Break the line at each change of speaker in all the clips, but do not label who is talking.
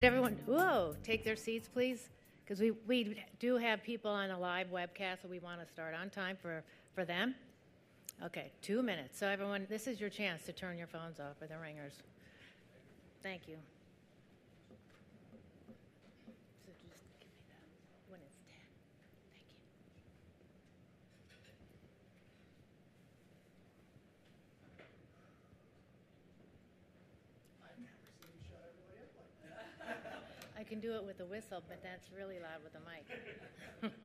Everyone, whoa, take their seats, please. Because we do have people on a live webcast, we want to start on time for them. Okay, two minutes. Everyone, this is your chance to turn your phones off or the ringers. Thank you. Just give me that one when it's 10. Thank you. I can do it with a whistle, but that's really loud with the mic.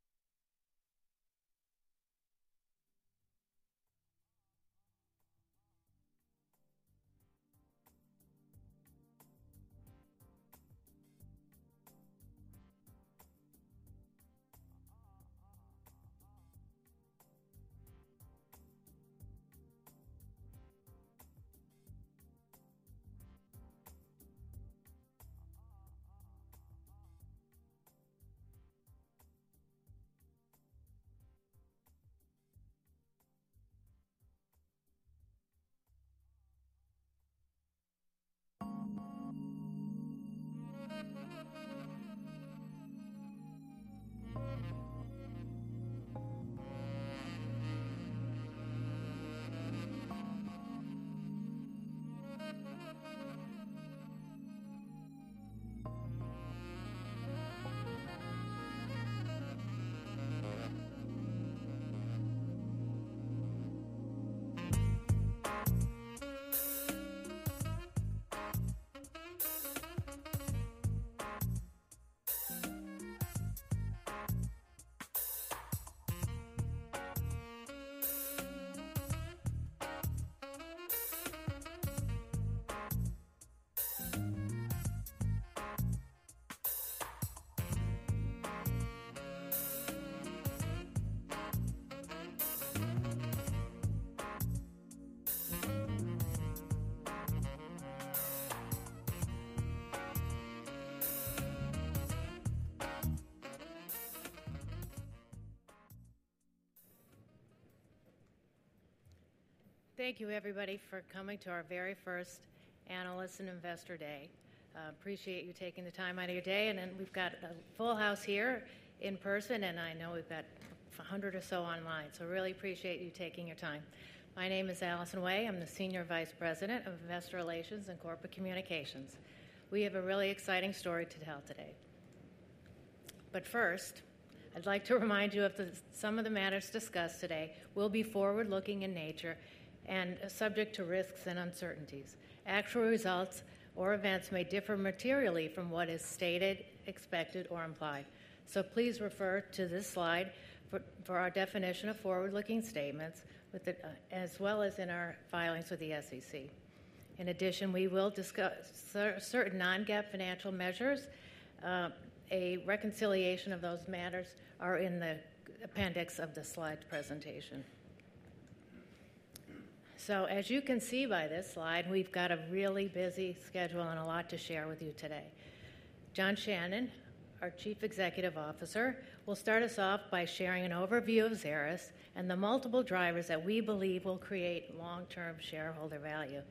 Thank you, everybody, for coming to our very first Analysts and Investors Day. I appreciate you taking the time out of your day. We have a full house here in person, and I know we've got 100 or so online. I really appreciate you taking your time. My name is Allison Wey. I'm the Senior Vice President of Investor Relations and Corporate Communications. We have a really exciting story to tell today. First, I'd like to remind you that some of the matters discussed today will be forward-looking in nature and subject to risks and uncertainties. Actual results or events may differ materially from what is stated, expected, or implied. Please refer to this slide for our definition of forward-looking statements, as well as in our filings with the SEC. In addition, we will discuss certain non-GAAP financial measures. A reconciliation of those matters is in the appendix of the slide presentation. As you can see by this slide, we have got a really busy schedule and a lot to share with you today. John Shannon, our Chief Executive Officer, will start us off by sharing an overview of Xeris and the multiple drivers that we believe will create long-term shareholder value.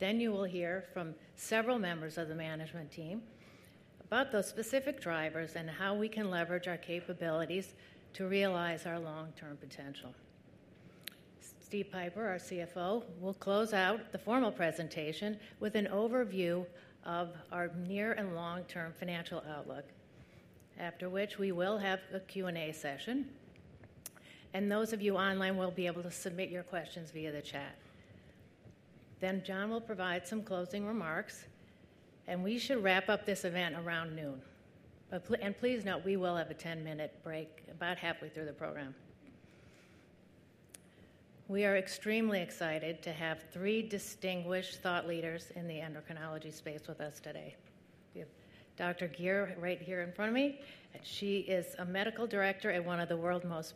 You will hear from several members of the management team about those specific drivers and how we can leverage our capabilities to realize our long-term potential. Steve Pieper, our CFO, will close out the formal presentation with an overview of our near and long-term financial outlook, after which we will have a Q&A session. Those of you online will be able to submit your questions via the chat. John will provide some closing remarks, and we should wrap up this event around noon. Please note, we will have a 10-minute break about halfway through the program. We are extremely excited to have three distinguished thought leaders in the endocrinology space with us today. We have Dr. Geer right here in front of me. She is a medical director at one of the world's most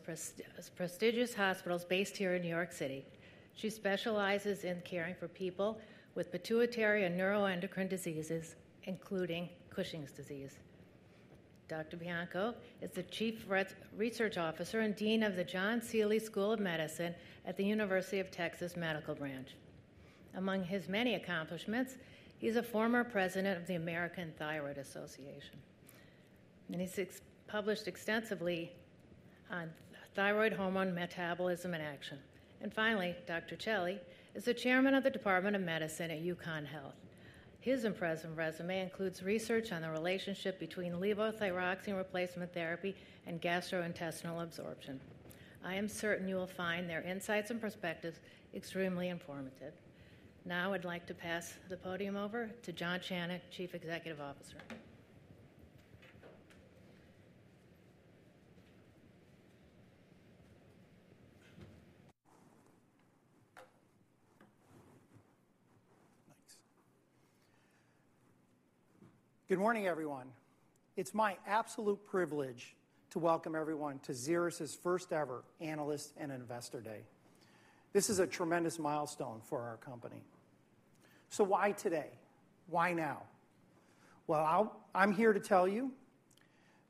prestigious hospitals based here in New York City. She specializes in caring for people with pituitary and neuroendocrine diseases, including Cushing's disease. Dr. Bianco is the Chief Research Officer and Dean of the John Sealy School of Medicine at the University of Texas Medical Branch. Among his many accomplishments, he's a former president of the American Thyroid Association. He's published extensively on thyroid hormone metabolism and action. Finally, Dr. Celi is the Chairman of the Department of Medicine at UConn Health. His impressive resume includes research on the relationship between levothyroxine replacement therapy and gastrointestinal absorption. I am certain you will find their insights and perspectives extremely informative. Now I'd like to pass the podium over to John Shannon, Chief Executive Officer.
Thanks. Good morning, everyone. It's my absolute privilege to welcome everyone to Xeris' first-ever Analysts and Investors Day. This is a tremendous milestone for our company. Why today? Why now? I'm here to tell you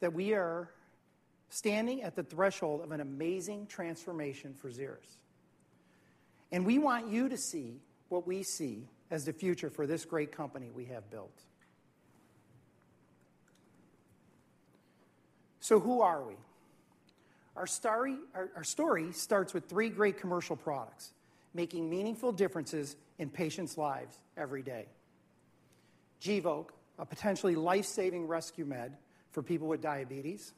that we are standing at the threshold of an amazing transformation for Xeris. We want you to see what we see as the future for this great company we have built. Who are we? Our story starts with three great commercial products making meaningful differences in patients' lives every day: Gvoke, a potentially life-saving rescue med for people with diabetes;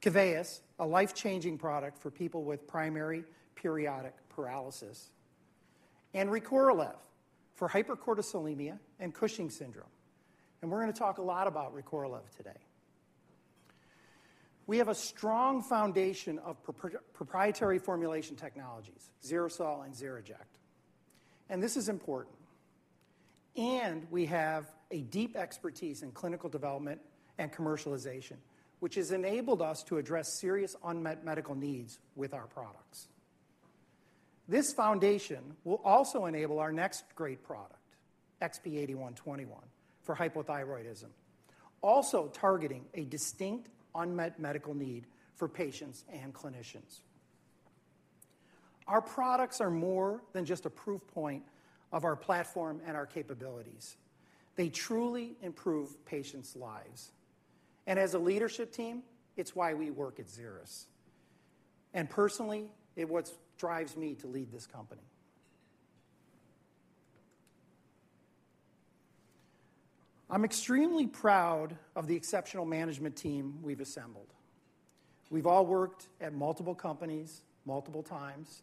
KEVEYIS, a life-changing product for people with primary periodic paralysis; and Recorlev for hypercortisolemia and Cushing's syndrome. We're going to talk a lot about Recorlev today. We have a strong foundation of proprietary formulation technologies, XeriSol and XeriJect. This is important. We have a deep expertise in clinical development and commercialization, which has enabled us to address serious unmet medical needs with our products. This foundation will also enable our next great product, XP-8121, for hypothyroidism, also targeting a distinct unmet medical need for patients and clinicians. Our products are more than just a proof point of our platform and our capabilities. They truly improve patients' lives. As a leadership team, it is why we work at Xeris. Personally, it is what drives me to lead this company. I am extremely proud of the exceptional management team we have assembled. We have all worked at multiple companies multiple times.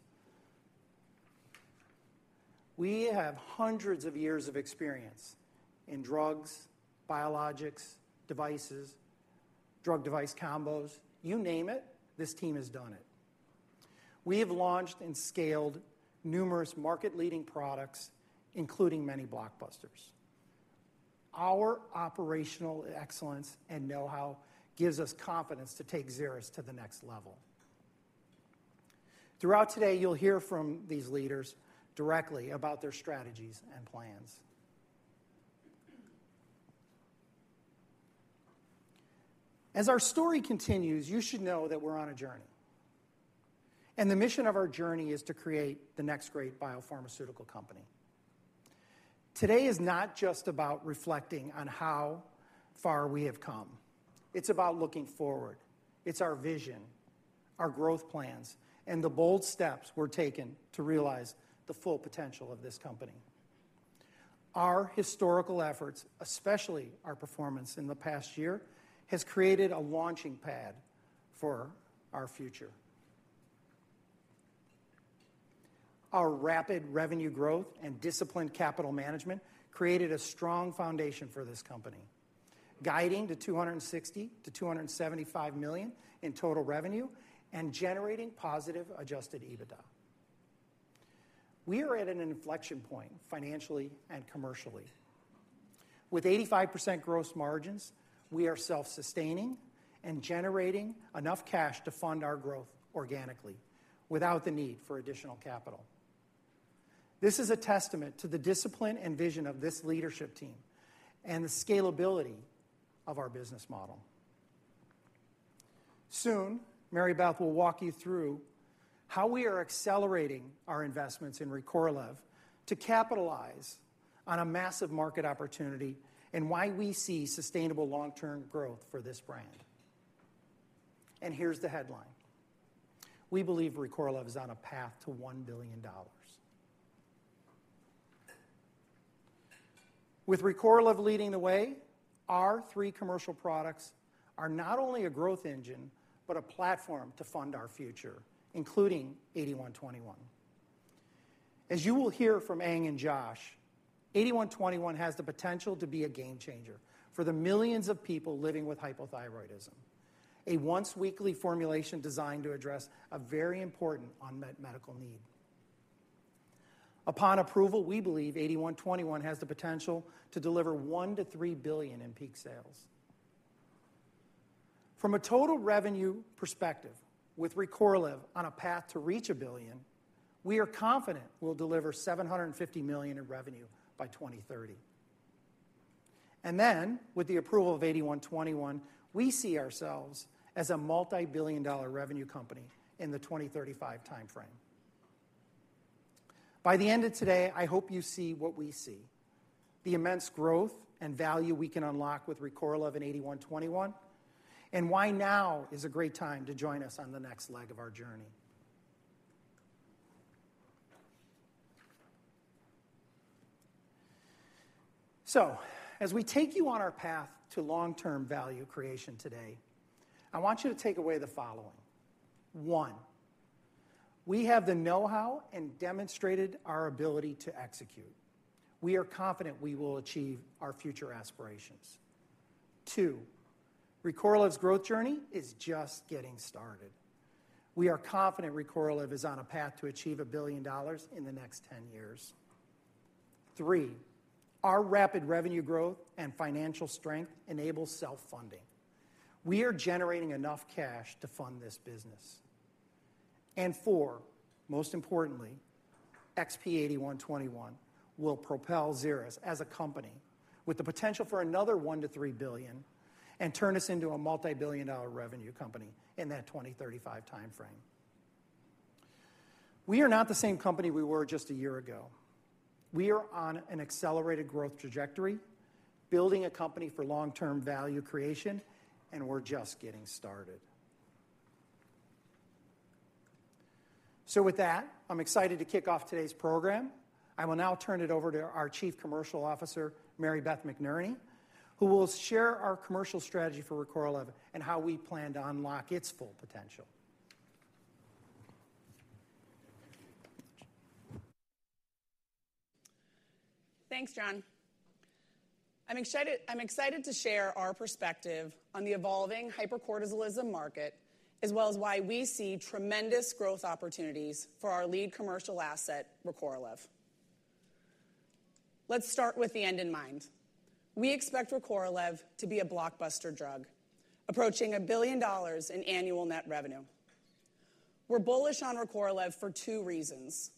We have hundreds of years of experience in drugs, biologics, devices, drug-device combos. You name it, this team has done it. We have launched and scaled numerous market-leading products, including many blockbusters. Our operational excellence and know-how gives us confidence to take Xeris to the next level. Throughout today, you'll hear from these leaders directly about their strategies and plans. As our story continues, you should know that we're on a journey. The mission of our journey is to create the next great biopharmaceutical company. Today is not just about reflecting on how far we have come. It is about looking forward. It is our vision, our growth plans, and the bold steps we're taking to realize the full potential of this company. Our historical efforts, especially our performance in the past year, have created a launching pad for our future. Our rapid revenue growth and disciplined capital management created a strong foundation for this company, guiding to $260 million-$275 million in total revenue and generating positive adjusted EBITDA. We are at an inflection point financially and commercially. With 85% gross margins, we are self-sustaining and generating enough cash to fund our growth organically without the need for additional capital. This is a testament to the discipline and vision of this leadership team and the scalability of our business model. Soon, Mary Beth will walk you through how we are accelerating our investments in Recorlev to capitalize on a massive market opportunity and why we see sustainable long-term growth for this brand. Here is the headline. We believe Recorlev is on a path to $1 billion. With Recorlev leading the way, our three commercial products are not only a growth engine, but a platform to fund our future, including 8121. As you will hear from Anh and Josh, 8121 has the potential to be a game changer for the millions of people living with hypothyroidism, a once-weekly formulation designed to address a very important unmet medical need. Upon approval, we believe 8121 has the potential to deliver $1 billion-$3 billion in peak sales. From a total revenue perspective, with Recorlev on a path to reach $1 billion, we are confident we'll deliver $750 million in revenue by 2030. With the approval of 8121, we see ourselves as a multi-billion dollar revenue company in the 2035 timeframe. By the end of today, I hope you see what we see: the immense growth and value we can unlock with Recorlev and 8121, and why now is a great time to join us on the next leg of our journey. As we take you on our path to long-term value creation today, I want you to take away the following: One, we have the know-how and demonstrated our ability to execute. We are confident we will achieve our future aspirations. Two, Recorlev's growth journey is just getting started. We are confident Recorlev is on a path to achieve $1 billion in the next 10 years. Three, our rapid revenue growth and financial strength enable self-funding. We are generating enough cash to fund this business. Four, most importantly, XP-8121 will propel Xeris as a company with the potential for another $1 billion-$3 billion and turn us into a multi-billion dollar revenue company in that 2035 timeframe. We are not the same company we were just a year ago. We are on an accelerated growth trajectory, building a company for long-term value creation, and we're just getting started. With that, I'm excited to kick off today's program. I will now turn it over to our Chief Commercial Officer, Mary Beth McNerney, who will share our commercial strategy for Recorlev and how we plan to unlock its full potential.
Thanks, John. I'm excited to share our perspective on the evolving hypercortisolism market, as well as why we see tremendous growth opportunities for our lead commercial asset, Recorlev. Let's start with the end in mind. We expect Recorlev to be a blockbuster drug, approaching a billion dollars in annual net revenue. We're bullish on Recorlev for two reasons.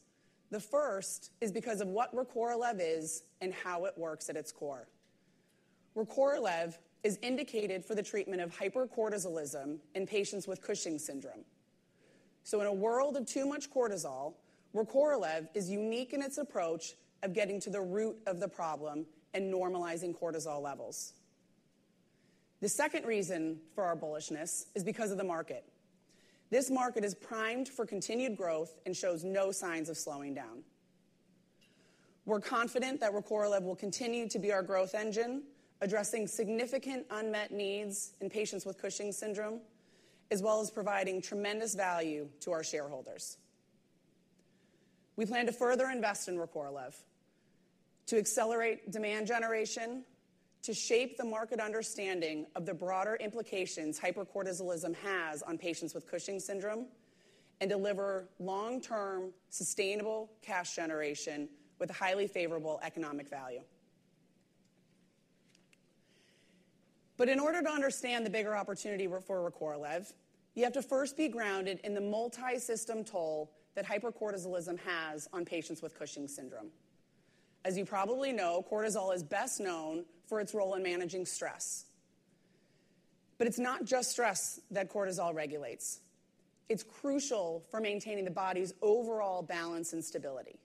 The first is because of what Recorlev is and how it works at its core. Recorlev is indicated for the treatment of hypercortisolism in patients with Cushing's syndrome. In a world of too much cortisol, Recorlev is unique in its approach of getting to the root of the problem and normalizing cortisol levels. The second reason for our bullishness is because of the market. This market is primed for continued growth and shows no signs of slowing down. We're confident that Recorlev will continue to be our growth engine, addressing significant unmet needs in patients with Cushing's syndrome, as well as providing tremendous value to our shareholders. We plan to further invest in Recorlev to accelerate demand generation, to shape the market understanding of the broader implications hypercortisolism has on patients with Cushing's syndrome, and deliver long-term sustainable cash generation with highly favorable economic value. In order to understand the bigger opportunity for Recorlev, you have to first be grounded in the multi-system toll that hypercortisolism has on patients with Cushing's syndrome. As you probably know, cortisol is best known for its role in managing stress. It is not just stress that cortisol regulates. It is crucial for maintaining the body's overall balance and stability.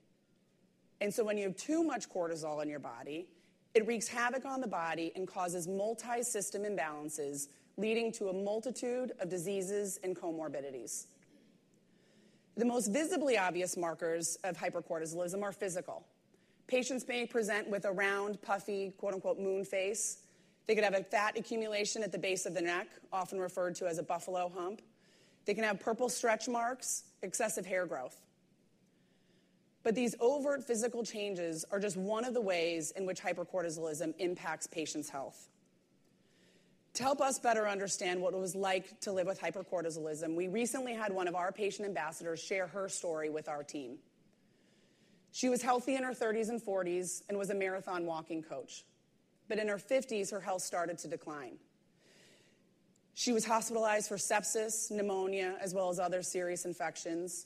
When you have too much cortisol in your body, it wreaks havoc on the body and causes multi-system imbalances, leading to a multitude of diseases and comorbidities. The most visibly obvious markers of hypercortisolism are physical. Patients may present with a round, puffy, quote-unquote, "moon face." They could have a fat accumulation at the base of the neck, often referred to as a buffalo hump. They can have purple stretch marks, excessive hair growth. These overt physical changes are just one of the ways in which hypercortisolism impacts patients' health. To help us better understand what it was like to live with hypercortisolism, we recently had one of our patient ambassadors share her story with our team. She was healthy in her 30s and 40s and was a marathon walking coach. In her 50s, her health started to decline. She was hospitalized for sepsis, pneumonia, as well as other serious infections.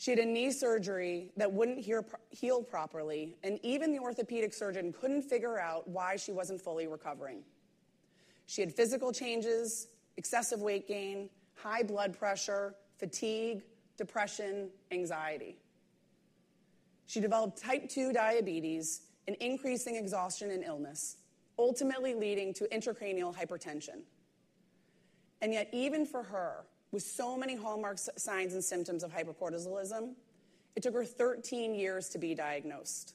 She had a knee surgery that would not heal properly, and even the orthopedic surgeon could not figure out why she was not fully recovering. She had physical changes, excessive weight gain, high blood pressure, fatigue, depression, anxiety. She developed type 2 diabetes and increasing exhaustion and illness, ultimately leading to intracranial hypertension. Yet, even for her, with so many hallmark signs and symptoms of hypercortisolism, it took her 13 years to be diagnosed,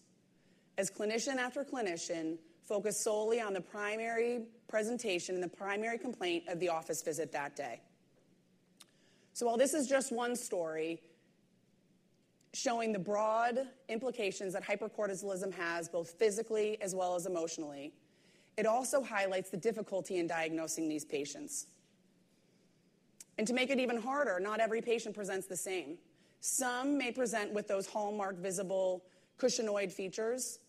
as clinician after clinician focused solely on the primary presentation and the primary complaint of the office visit that day. While this is just one story showing the broad implications that hypercortisolism has, both physically as well as emotionally, it also highlights the difficulty in diagnosing these patients. To make it even harder, not every patient presents the same. Some may present with those hallmark visible cushingoid features.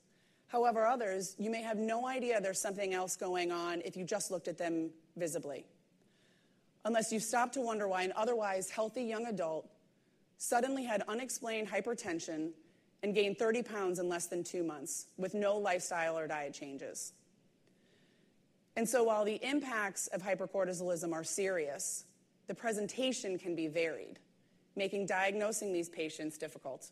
However, others, you may have no idea there's something else going on if you just looked at them visibly, unless you stop to wonder why an otherwise healthy young adult suddenly had unexplained hypertension and gained 30 lbs in less than two months with no lifestyle or diet changes. While the impacts of hypercortisolism are serious, the presentation can be varied, making diagnosing these patients difficult.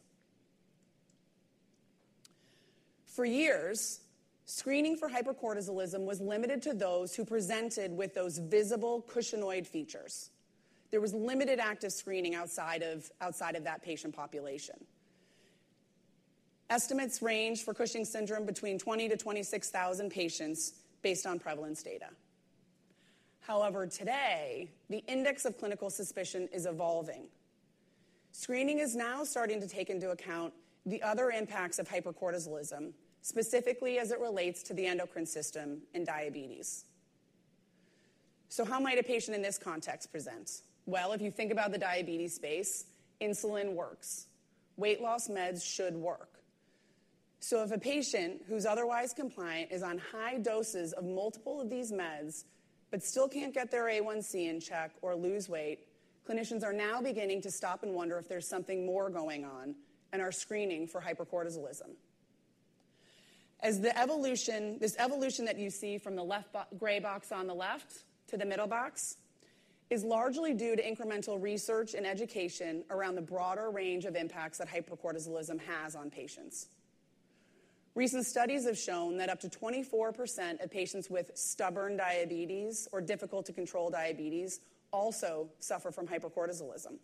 For years, screening for hypercortisolism was limited to those who presented with those visible cushingoid features. There was limited active screening outside of that patient population. Estimates range for Cushing's syndrome between 20,000-26,000 patients based on prevalence data. However, today, the index of clinical suspicion is evolving. Screening is now starting to take into account the other impacts of hypercortisolism, specifically as it relates to the endocrine system and diabetes. How might a patient in this context present? If you think about the diabetes space, insulin works. Weight loss meds should work. If a patient who's otherwise compliant is on high doses of multiple of these meds but still can't get their A1C in check or lose weight, clinicians are now beginning to stop and wonder if there's something more going on and are screening for hypercortisolism. As this evolution that you see from the gray box on the left to the middle box is largely due to incremental research and education around the broader range of impacts that hypercortisolism has on patients, recent studies have shown that up to 24% of patients with stubborn diabetes or difficult-to-control diabetes also suffer from hypercortisolism.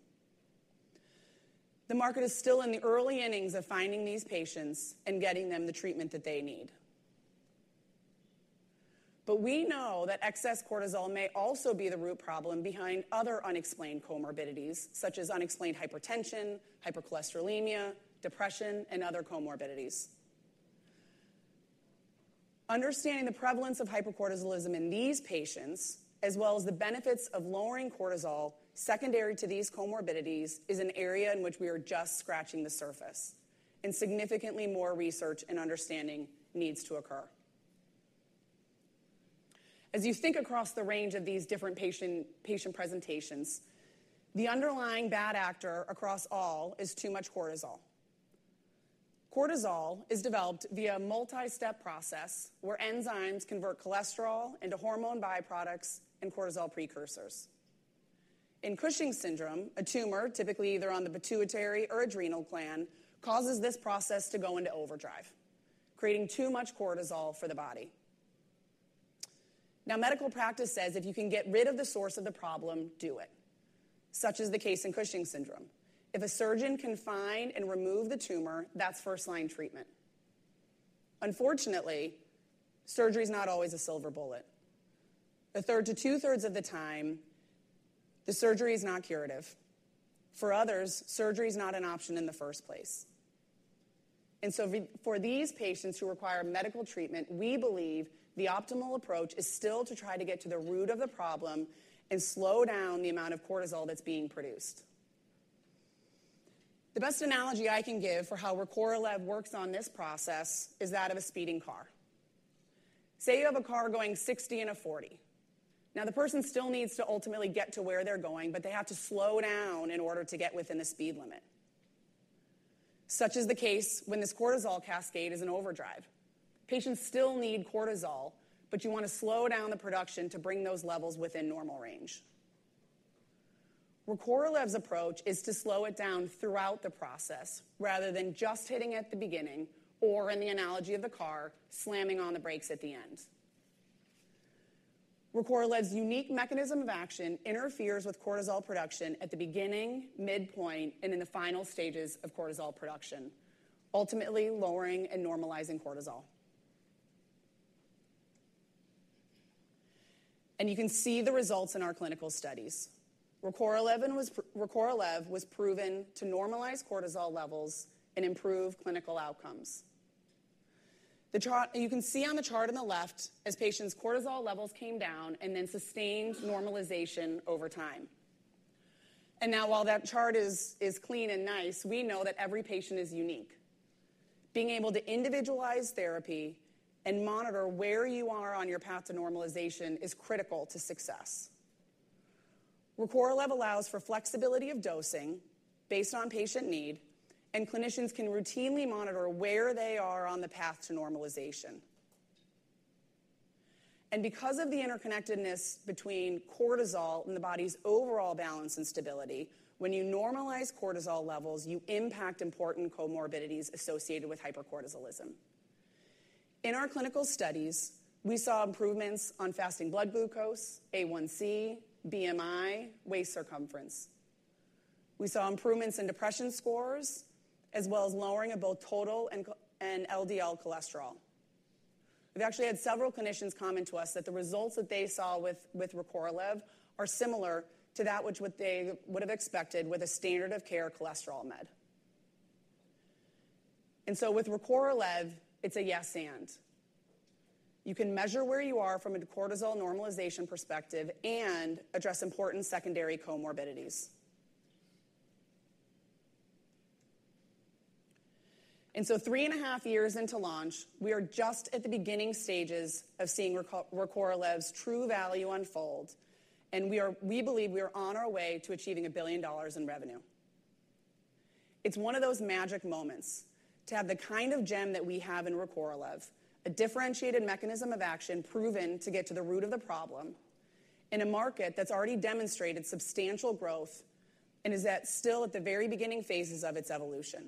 The market is still in the early innings of finding these patients and getting them the treatment that they need. We know that excess cortisol may also be the root problem behind other unexplained comorbidities, such as unexplained hypertension, hypercholesterolemia, depression, and other comorbidities. Understanding the prevalence of hypercortisolism in these patients, as well as the benefits of lowering cortisol secondary to these comorbidities, is an area in which we are just scratching the surface, and significantly more research and understanding needs to occur. As you think across the range of these different patient presentations, the underlying bad actor across all is too much cortisol. Cortisol is developed via a multi-step process where enzymes convert cholesterol into hormone byproducts and cortisol precursors. In Cushing's syndrome, a tumor, typically either on the pituitary or adrenal gland, causes this process to go into overdrive, creating too much cortisol for the body. Now, medical practice says if you can get rid of the source of the problem, do it, such as the case in Cushing's syndrome. If a surgeon can find and remove the tumor, that's first-line treatment. Unfortunately, surgery is not always a silver bullet. A third to two-thirds of the time, the surgery is not curative. For others, surgery is not an option in the first place. For these patients who require medical treatment, we believe the optimal approach is still to try to get to the root of the problem and slow down the amount of cortisol that's being produced. The best analogy I can give for how Recorlev works on this process is that of a speeding car. Say you have a car going 60 in a 40. Now, the person still needs to ultimately get to where they're going, but they have to slow down in order to get within the speed limit, such as the case when this cortisol cascade is in overdrive. Patients still need cortisol, but you want to slow down the production to bring those levels within normal range. Recorlev's approach is to slow it down throughout the process rather than just hitting at the beginning or, in the analogy of the car, slamming on the brakes at the end. Recorlev's unique mechanism of action interferes with cortisol production at the beginning, midpoint, and in the final stages of cortisol production, ultimately lowering and normalizing cortisol. You can see the results in our clinical studies. Recorlev was proven to normalize cortisol levels and improve clinical outcomes. You can see on the chart on the left as patients' cortisol levels came down and then sustained normalization over time. While that chart is clean and nice, we know that every patient is unique. Being able to individualize therapy and monitor where you are on your path to normalization is critical to success. Recorlev allows for flexibility of dosing based on patient need, and clinicians can routinely monitor where they are on the path to normalization. Because of the interconnectedness between cortisol and the body's overall balance and stability, when you normalize cortisol levels, you impact important comorbidities associated with hypercortisolism. In our clinical studies, we saw improvements on fasting blood glucose, A1C, BMI, waist circumference. We saw improvements in depression scores, as well as lowering of both total and LDL cholesterol. We've actually had several clinicians comment to us that the results that they saw with Recorlev are similar to that which they would have expected with a standard-of-care cholesterol med. With Recorlev, it's a yes-and. You can measure where you are from a cortisol normalization perspective and address important secondary comorbidities. Three and a half years into launch, we are just at the beginning stages of seeing Recorlev's true value unfold, and we believe we are on our way to achieving $1 billion in revenue. It's one of those magic moments to have the kind of gem that we have in Recorlev, a differentiated mechanism of action proven to get to the root of the problem in a market that's already demonstrated substantial growth and is still at the very beginning phases of its evolution.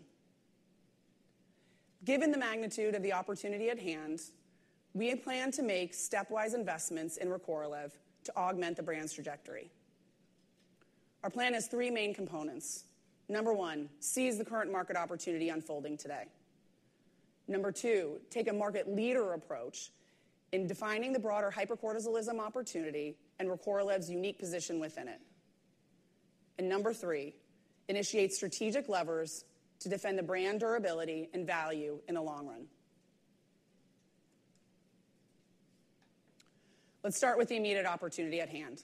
Given the magnitude of the opportunity at hand, we plan to make stepwise investments in Recorlev to augment the brand's trajectory. Our plan has three main components. Number one, seize the current market opportunity unfolding today. Number two, take a market leader approach in defining the broader hypercortisolism opportunity and Recorlev's unique position within it. Number three, initiate strategic levers to defend the brand durability and value in the long run. Let's start with the immediate opportunity at hand.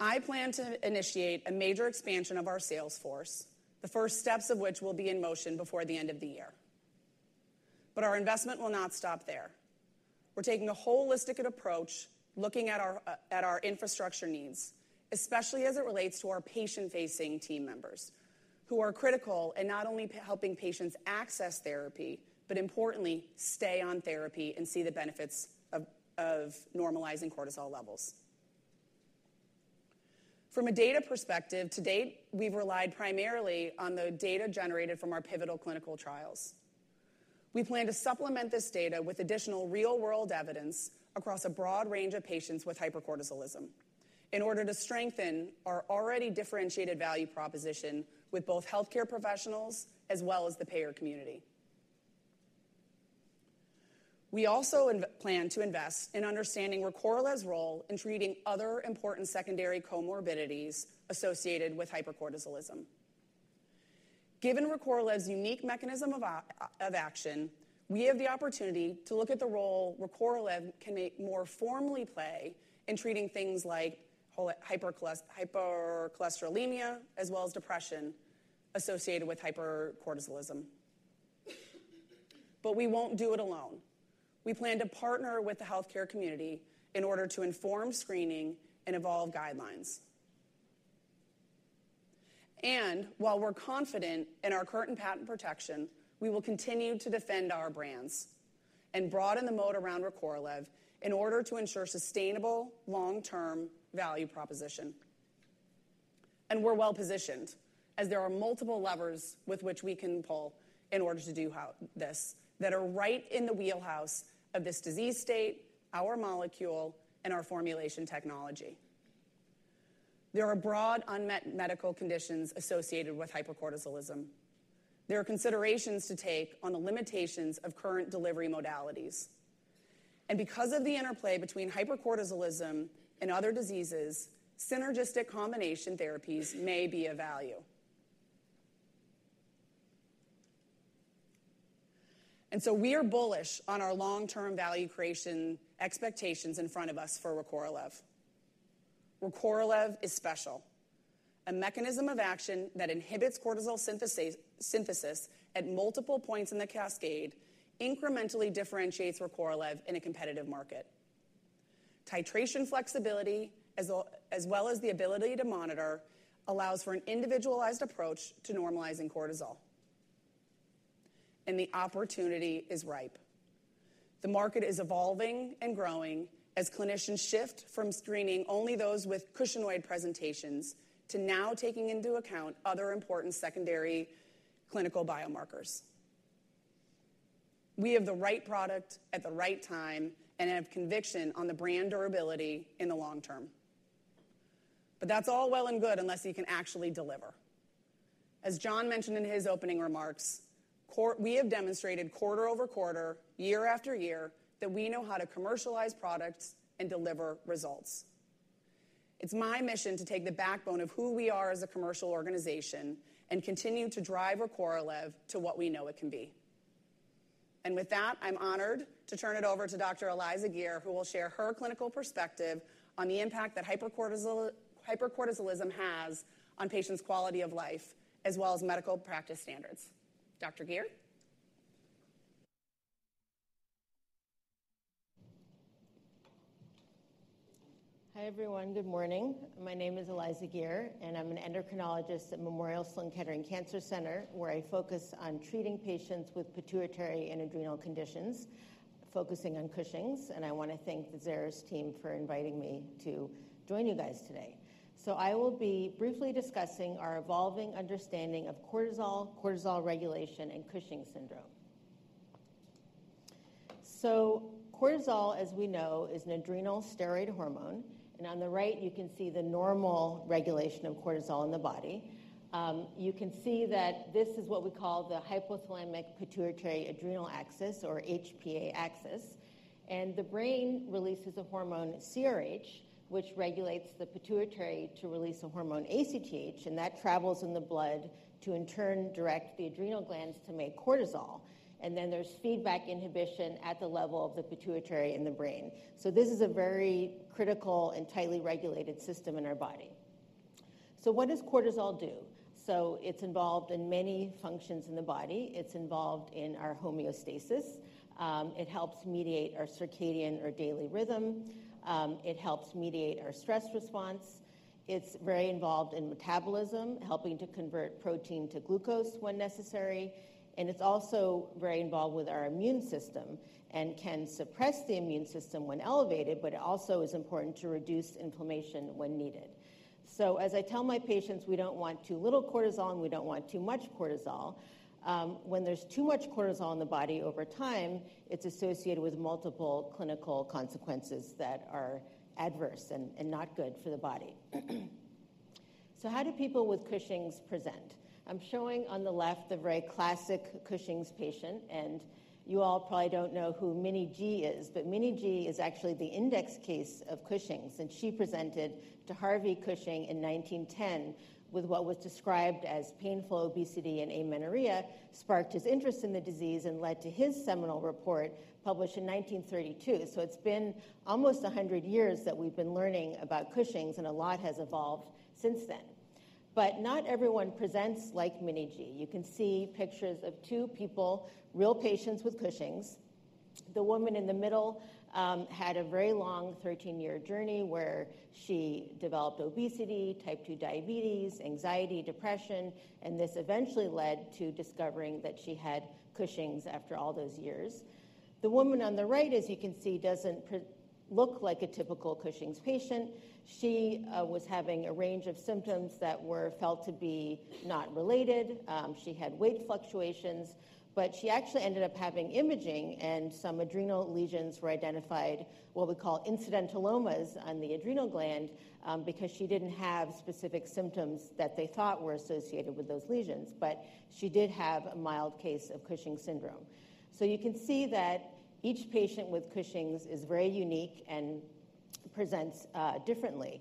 I plan to initiate a major expansion of our sales force, the first steps of which will be in motion before the end of the year. Our investment will not stop there. We're taking a holistic approach, looking at our infrastructure needs, especially as it relates to our patient-facing team members who are critical in not only helping patients access therapy, but importantly, stay on therapy and see the benefits of normalizing cortisol levels. From a data perspective, to date, we've relied primarily on the data generated from our pivotal clinical trials. We plan to supplement this data with additional real-world evidence across a broad range of patients with hypercortisolism in order to strengthen our already differentiated value proposition with both healthcare professionals as well as the payer community. We also plan to invest in understanding Recorlev's role in treating other important secondary comorbidities associated with hypercortisolism. Given Recorlev's unique mechanism of action, we have the opportunity to look at the role Recorlev can more formally play in treating things like hypercholesterolemia as well as depression associated with hypercortisolism. We will not do it alone. We plan to partner with the healthcare community in order to inform screening and evolve guidelines. While we are confident in our current patent protection, we will continue to defend our brands and broaden the moat around Recorlev in order to ensure a sustainable long-term value proposition. We are well-positioned as there are multiple levers we can pull in order to do this that are right in the wheelhouse of this disease state, our molecule, and our formulation technology. There are broad unmet medical conditions associated with hypercortisolism. There are considerations to take on the limitations of current delivery modalities. Because of the interplay between hypercortisolism and other diseases, synergistic combination therapies may be of value. We are bullish on our long-term value creation expectations in front of us for Recorlev. Recorlev is special. A mechanism of action that inhibits cortisol synthesis at multiple points in the cascade incrementally differentiates Recorlev in a competitive market. Titration flexibility, as well as the ability to monitor, allows for an individualized approach to normalizing cortisol. The opportunity is ripe. The market is evolving and growing as clinicians shift from screening only those with cushingoid presentations to now taking into account other important secondary clinical biomarkers. We have the right product at the right time and have conviction on the brand durability in the long term. That is all well and good unless you can actually deliver. As John mentioned in his opening remarks, we have demonstrated quarter over quarter, year after year, that we know how to commercialize products and deliver results. It's my mission to take the backbone of who we are as a commercial organization and continue to drive Recorlev to what we know it can be. With that, I'm honored to turn it over to Dr. Eliza Geer, who will share her clinical perspective on the impact that hypercortisolism has on patients' quality of life as well as medical practice standards. Dr. Geer?
Hi everyone. Good morning. My name is Eliza Geer, and I'm an endocrinologist at Memorial Sloan Kettering Cancer Center, where I focus on treating patients with pituitary and adrenal conditions, focusing on Cushing's. I want to thank the Xeris team for inviting me to join you guys today. I will be briefly discussing our evolving understanding of cortisol, cortisol regulation, and Cushing's syndrome. Cortisol, as we know, is an adrenal steroid hormone. On the right, you can see the normal regulation of cortisol in the body. You can see that this is what we call the hypothalamic-pituitary-adrenal axis, or HPA axis. The brain releases a hormone, CRH, which regulates the pituitary to release a hormone, ACTH. That travels in the blood to, in turn, direct the adrenal glands to make cortisol. There is feedback inhibition at the level of the pituitary in the brain. This is a very critical and tightly regulated system in our body. What does cortisol do? It is involved in many functions in the body. It is involved in our homeostasis. It helps mediate our circadian or daily rhythm. It helps mediate our stress response. It is very involved in metabolism, helping to convert protein to glucose when necessary. It is also very involved with our immune system and can suppress the immune system when elevated, but it also is important to reduce inflammation when needed. As I tell my patients, we do not want too little cortisol, and we do not want too much cortisol. When there is too much cortisol in the body over time, it is associated with multiple clinical consequences that are adverse and not good for the body. How do people with Cushing's present? I'm showing on the left the very classic Cushing's patient. You all probably do not know who Minnie G. is, but Minnie G. is actually the index case of Cushing's. She presented to Harvey Cushing in 1910 with what was described as painful obesity and amenorrhea, sparked his interest in the disease, and led to his seminal report published in 1932. It has been almost 100 years that we have been learning about Cushing's, and a lot has evolved since then. Not everyone presents like Minnie G. You can see pictures of two people, real patients with Cushing's. The woman in the middle had a very long 13-year journey where she developed obesity, type 2 diabetes, anxiety, depression, and this eventually led to discovering that she had Cushing's after all those years. The woman on the right, as you can see, does not look like a typical Cushing's patient. She was having a range of symptoms that were felt to be not related. She had weight fluctuations. She actually ended up having imaging, and some adrenal lesions were identified, what we call incidentalomas on the adrenal gland, because she did not have specific symptoms that they thought were associated with those lesions. She did have a mild case of Cushing's syndrome. You can see that each patient with Cushing's is very unique and presents differently.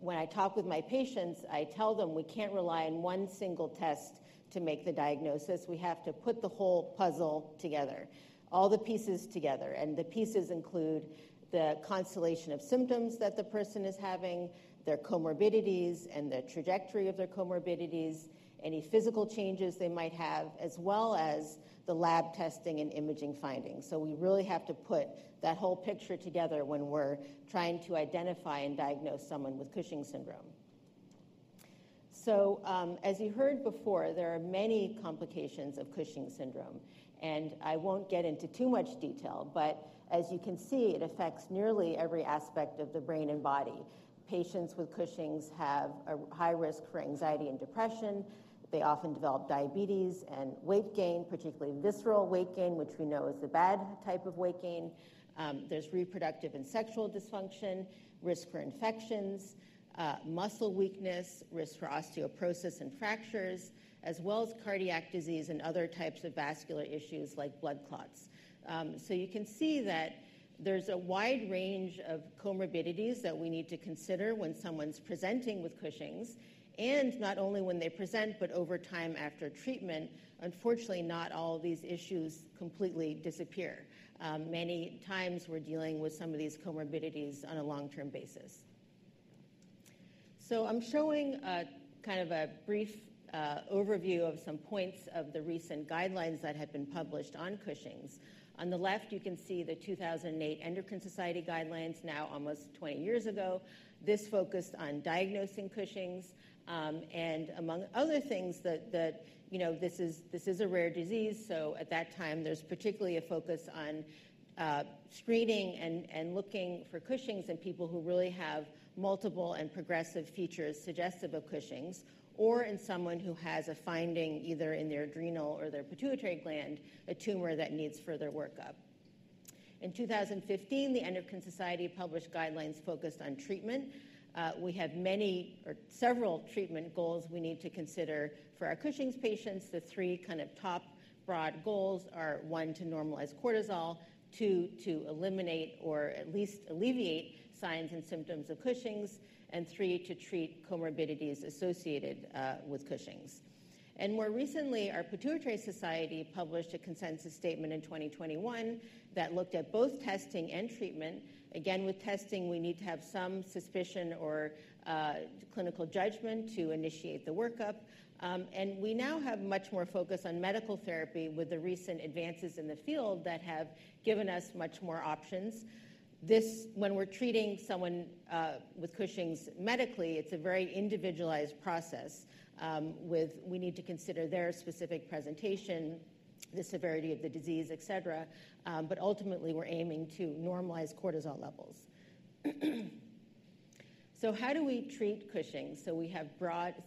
When I talk with my patients, I tell them we cannot rely on one single test to make the diagnosis. We have to put the whole puzzle together, all the pieces together. The pieces include the constellation of symptoms that the person is having, their comorbidities and the trajectory of their comorbidities, any physical changes they might have, as well as the lab testing and imaging findings. We really have to put that whole picture together when we're trying to identify and diagnose someone with Cushing's syndrome. As you heard before, there are many complications of Cushing's syndrome. I won't get into too much detail, but as you can see, it affects nearly every aspect of the brain and body. Patients with Cushing's have a high risk for anxiety and depression. They often develop diabetes and weight gain, particularly visceral weight gain, which we know is the bad type of weight gain. There's reproductive and sexual dysfunction, risk for infections, muscle weakness, risk for osteoporosis and fractures, as well as cardiac disease and other types of vascular issues like blood clots. You can see that there's a wide range of comorbidities that we need to consider when someone's presenting with Cushing's, and not only when they present, but over time after treatment. Unfortunately, not all these issues completely disappear. Many times, we're dealing with some of these comorbidities on a long-term basis. I'm showing kind of a brief overview of some points of the recent guidelines that have been published on Cushing's. On the left, you can see the 2008 Endocrine Society Guidelines, now almost 20 years ago. This focused on diagnosing Cushing's. Among other things, this is a rare disease. At that time, there's particularly a focus on screening and looking for Cushing's in people who really have multiple and progressive features suggestive of Cushing's, or in someone who has a finding either in their adrenal or their pituitary gland, a tumor that needs further workup. In 2015, the Endocrine Society published guidelines focused on treatment. We have many or several treatment goals we need to consider for our Cushing's patients. The three kind of top broad goals are one, to normalize cortisol; two, to eliminate or at least alleviate signs and symptoms of Cushing's; and three, to treat comorbidities associated with Cushing's. More recently, our Pituitary Society published a consensus statement in 2021 that looked at both testing and treatment. Again, with testing, we need to have some suspicion or clinical judgment to initiate the workup. We now have much more focus on medical therapy with the recent advances in the field that have given us much more options. When we're treating someone with Cushing's medically, it's a very individualized process where we need to consider their specific presentation, the severity of the disease, et cetera. Ultimately, we're aiming to normalize cortisol levels. How do we treat Cushing's? We have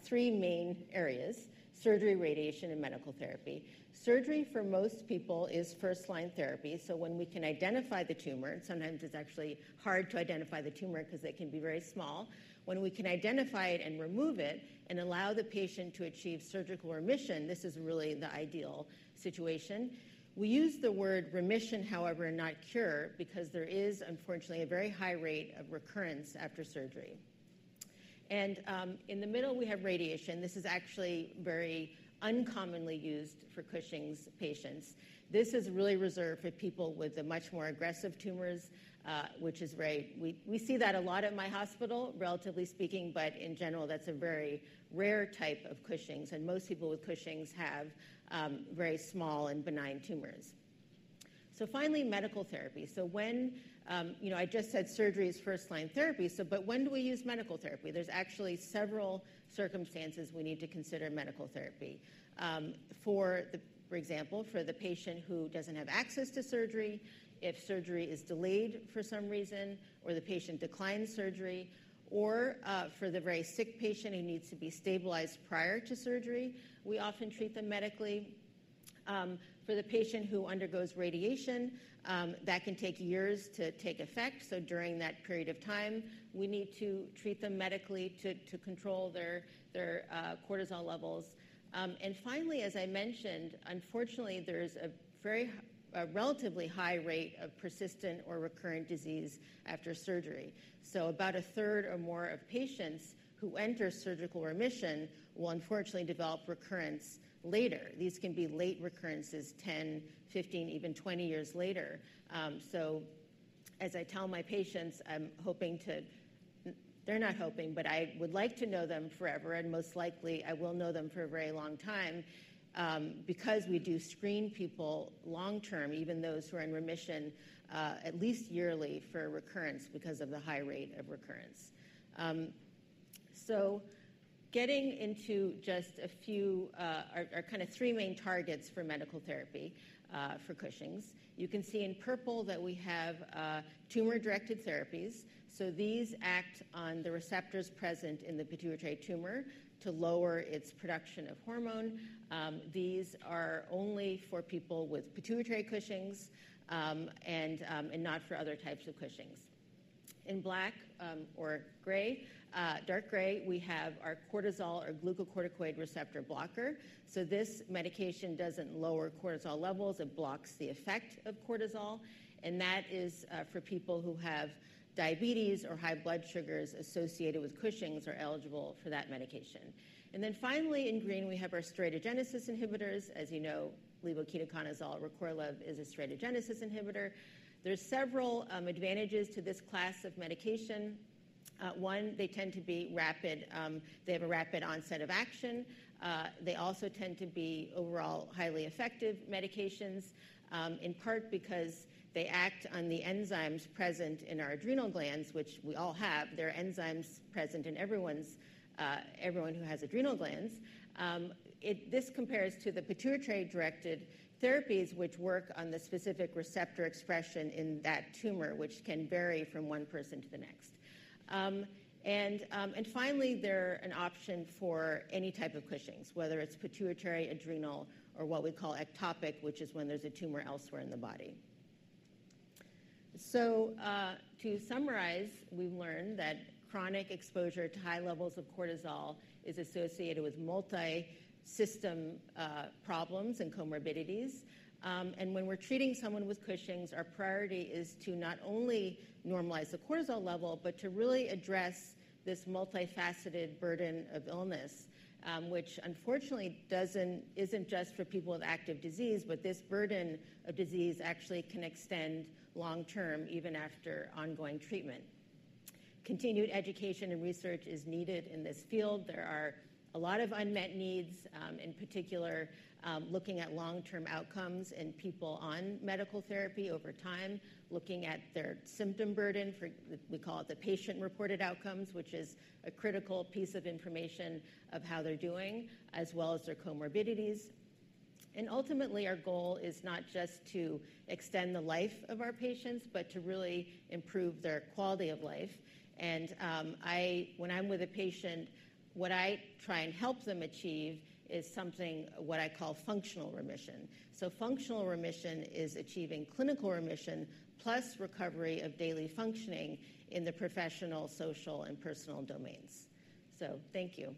three main areas: surgery, radiation, and medical therapy. Surgery, for most people, is first-line therapy. When we can identify the tumor, and sometimes it's actually hard to identify the tumor because it can be very small, when we can identify it and remove it and allow the patient to achieve surgical remission, this is really the ideal situation. We use the word remission, however, not cure, because there is, unfortunately, a very high rate of recurrence after surgery. In the middle, we have radiation. This is actually very uncommonly used for Cushing's patients. This is really reserved for people with much more aggressive tumors, which is very, we see that a lot at my hospital, relatively speaking, but in general, that is a very rare type of Cushing's. Most people with Cushing's have very small and benign tumors. Finally, medical therapy. I just said surgery is first-line therapy. When do we use medical therapy? There are actually several circumstances we need to consider medical therapy. For example, for the patient who does not have access to surgery, if surgery is delayed for some reason, or the patient declines surgery, or for the very sick patient who needs to be stabilized prior to surgery, we often treat them medically. For the patient who undergoes radiation, that can take years to take effect. During that period of time, we need to treat them medically to control their cortisol levels. Finally, as I mentioned, unfortunately, there is a relatively high rate of persistent or recurrent disease after surgery. About 1/3 or more of patients who enter surgical remission will unfortunately develop recurrence later. These can be late recurrences 10, 15, even 20 years later. As I tell my patients, I am hoping to, they are not hoping, but I would like to know them forever. Most likely, I will know them for a very long time because we do screen people long-term, even those who are in remission, at least yearly for recurrence because of the high rate of recurrence. Getting into just a few, our kind of three main targets for medical therapy for Cushing's. You can see in purple that we have tumor-directed therapies. These act on the receptors present in the pituitary tumor to lower its production of hormone. These are only for people with pituitary Cushing's and not for other types of Cushing's. In black or dark gray, we have our cortisol or glucocorticoid receptor blocker. This medication does not lower cortisol levels. It blocks the effect of cortisol. That is for people who have diabetes or high blood sugars associated with Cushing's and are eligible for that medication. Finally, in green, we have our steroidogenesis inhibitors. As you know, levoketoconazole or Recorlev is a steroidogenesis inhibitor. There are several advantages to this class of medication. One, they tend to be rapid. They have a rapid onset of action. They also tend to be overall highly effective medications, in part because they act on the enzymes present in our adrenal glands, which we all have. There are enzymes present in everyone who has adrenal glands. This compares to the pituitary-directed therapies, which work on the specific receptor expression in that tumor, which can vary from one person to the next. Finally, they're an option for any type of Cushing's, whether it's pituitary, adrenal, or what we call ectopic, which is when there's a tumor elsewhere in the body. To summarize, we've learned that chronic exposure to high levels of cortisol is associated with multi-system problems and comorbidities. When we're treating someone with Cushing's, our priority is to not only normalize the cortisol level, but to really address this multifaceted burden of illness, which unfortunately isn't just for people with active disease, but this burden of disease actually can extend long-term, even after ongoing treatment. Continued education and research is needed in this field. There are a lot of unmet needs, in particular looking at long-term outcomes in people on medical therapy over time, looking at their symptom burden. We call it the patient-reported outcomes, which is a critical piece of information of how they're doing, as well as their comorbidities. Ultimately, our goal is not just to extend the life of our patients, but to really improve their quality of life. When I'm with a patient, what I try and help them achieve is something what I call functional remission. Functional remission is achieving clinical remission plus recovery of daily functioning in the professional, social, and personal domains. Thank you.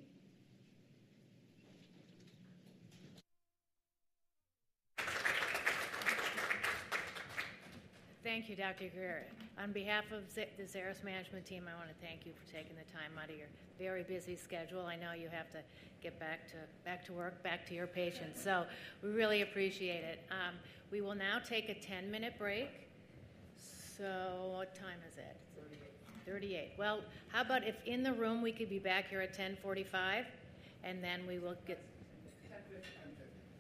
Thank you, Dr. Geer. On behalf of the Xeris Management Team, I want to thank you for taking the time out of your very busy schedule. I know you have to get back to work, back to your patients. We really appreciate it. We will now take a 10-minute break. What time is it? 38. 38. If in the room we could be back here at 10:45, and then we will get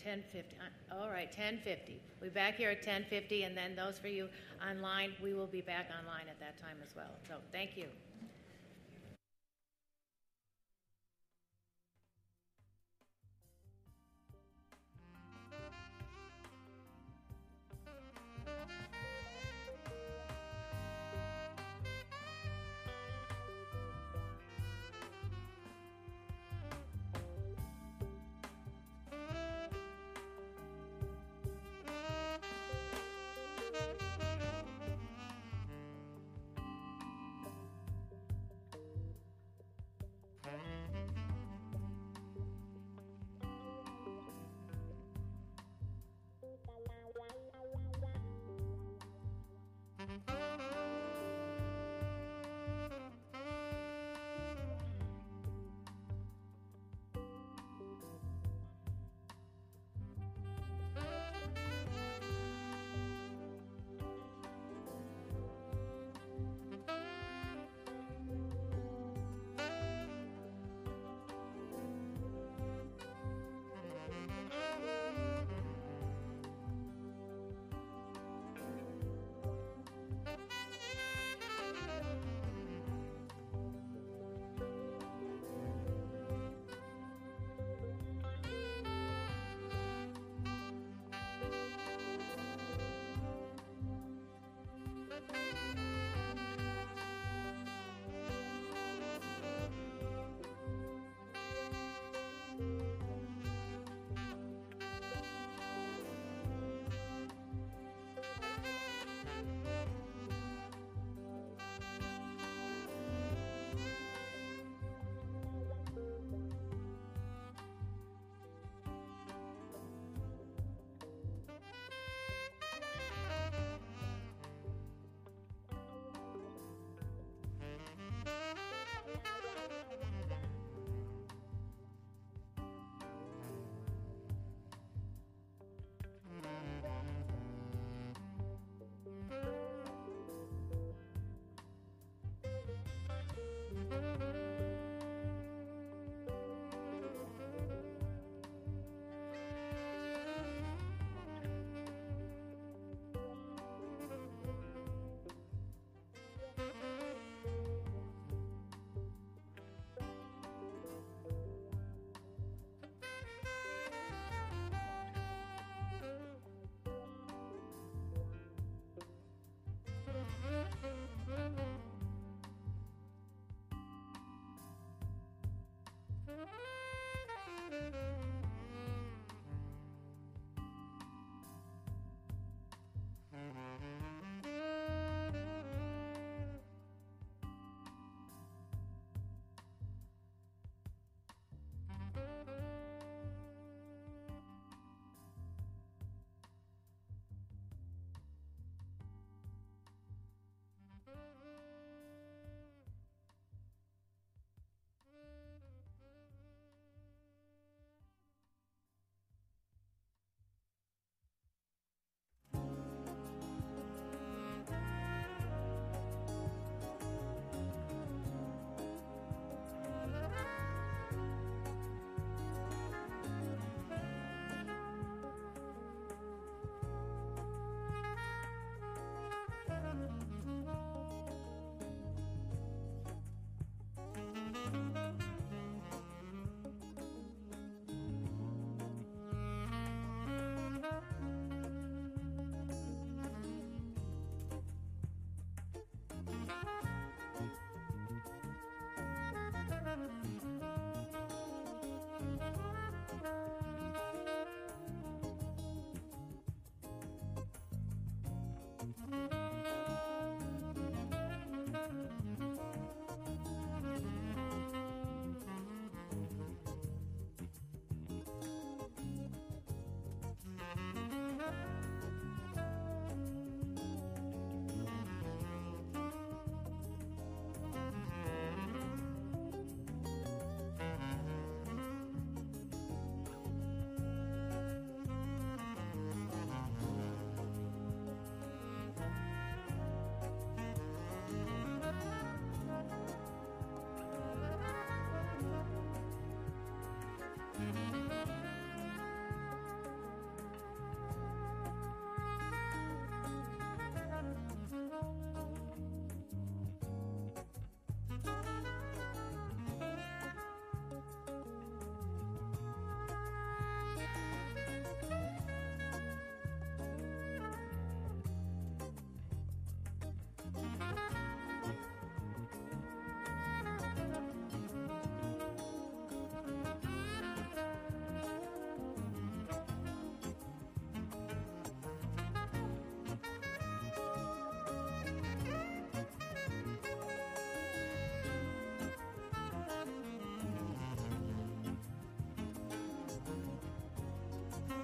10:15. 10:15. All right, 10:50. We'll be back here at 10:50. For those of you online, we will be back online at that time as well. Thank you.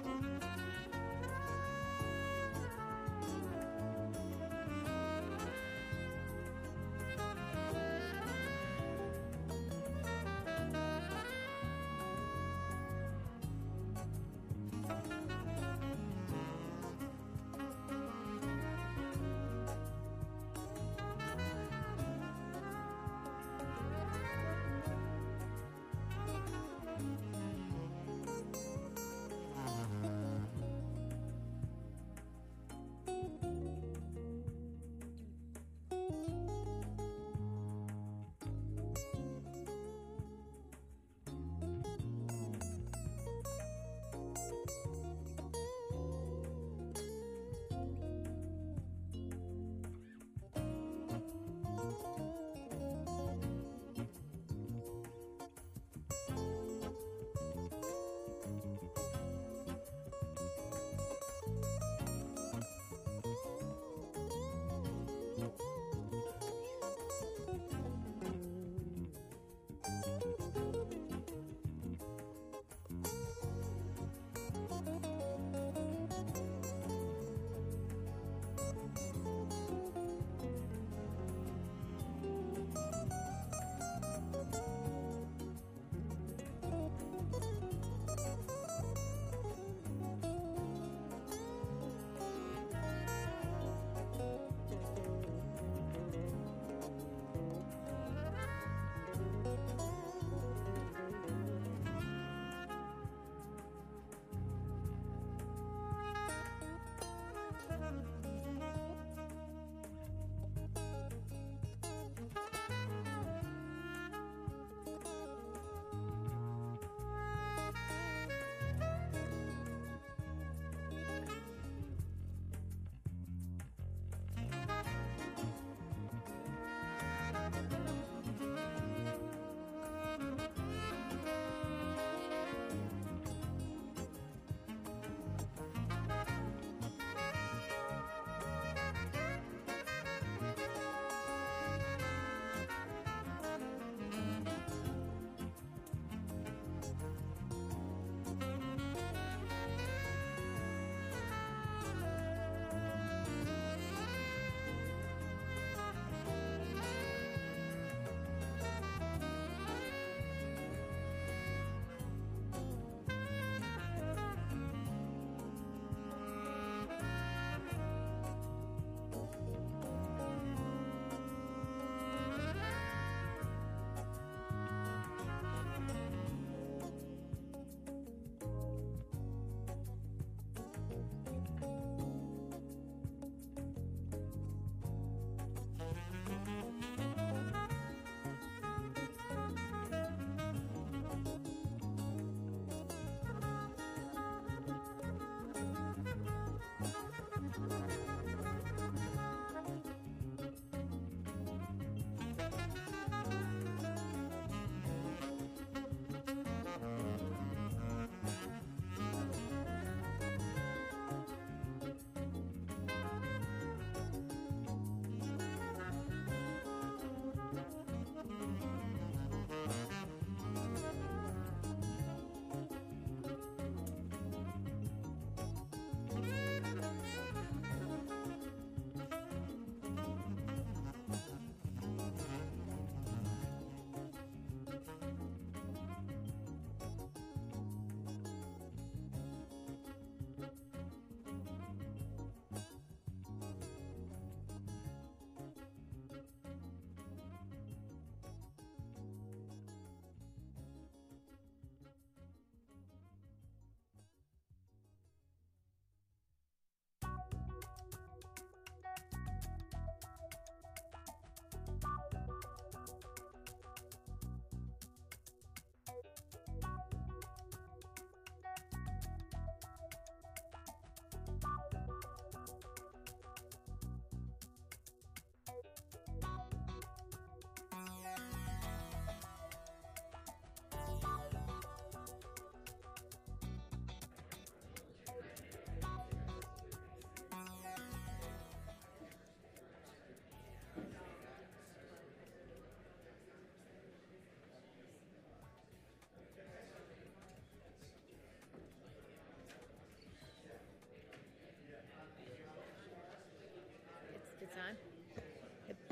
Good time.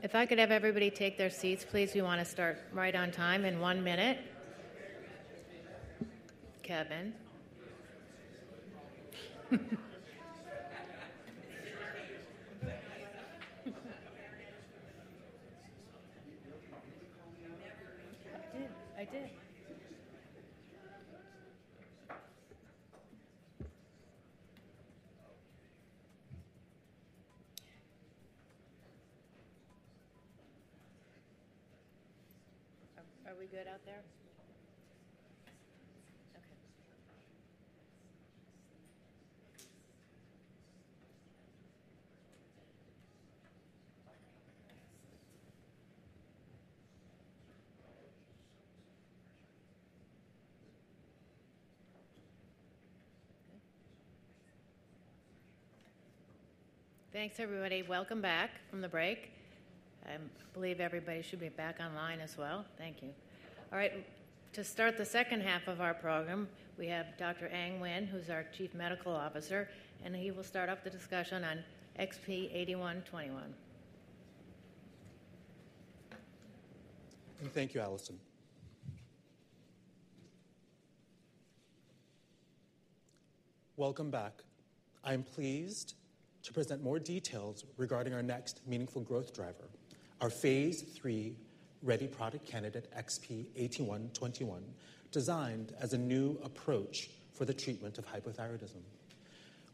If I could have everybody take their seats, please. We want to start right on time in one minute. Kevin. I did. I did. Are we good out there? Okay. Thanks, everybody. Welcome back from the break. I believe everybody should be back online as well. Thank you. All right. To start the second half of our program, we have Dr. Anh Nguyen, who's our Chief Medical Officer, and he will start up the discussion on XP-8121.
Thank you, Alison. Welcome back. I am pleased to present more details regarding our next meaningful growth driver, our phase III ready product candidate XP-8121, designed as a new approach for the treatment of hypothyroidism.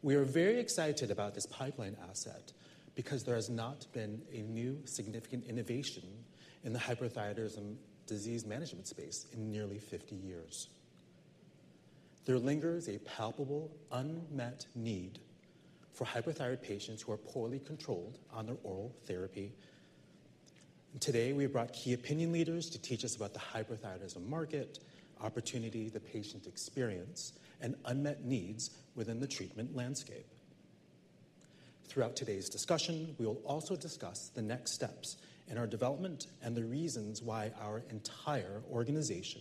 We are very excited about this pipeline asset because there has not been a new significant innovation in the hypothyroidism disease management space in nearly 50 years. There lingers a palpable unmet need for hypothyroid patients who are poorly controlled on their oral therapy. Today, we have brought key opinion leaders to teach us about the hypothyroidism market, opportunity, the patient experience, and unmet needs within the treatment landscape. Throughout today's discussion, we will also discuss the next steps in our development and the reasons why our entire organization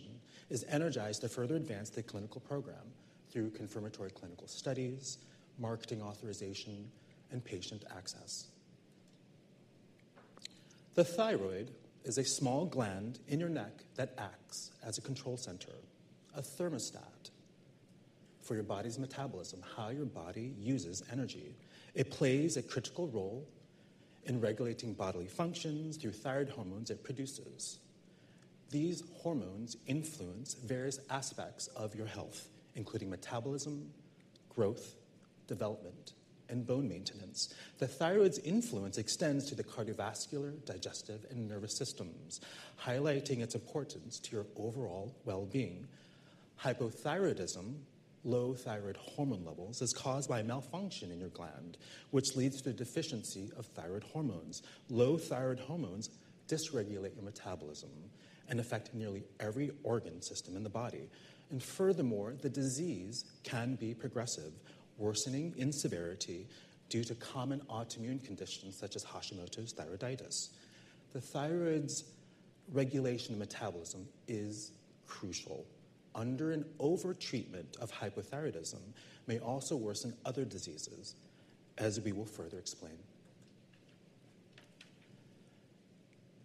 is energized to further advance the clinical program through confirmatory clinical studies, marketing authorization, and patient access. The thyroid is a small gland in your neck that acts as a control center, a thermostat for your body's metabolism, how your body uses energy. It plays a critical role in regulating bodily functions through thyroid hormones it produces. These hormones influence various aspects of your health, including metabolism, growth, development, and bone maintenance. The thyroid's influence extends to the cardiovascular, digestive, and nervous systems, highlighting its importance to your overall well-being. Hypothyroidism, low thyroid hormone levels, is caused by malfunction in your gland, which leads to a deficiency of thyroid hormones. Low thyroid hormones dysregulate your metabolism and affect nearly every organ system in the body. Furthermore, the disease can be progressive, worsening in severity due to common autoimmune conditions such as Hashimoto's thyroiditis. The thyroid's regulation of metabolism is crucial. Under- and over-treatment of hypothyroidism may also worsen other diseases, as we will further explain.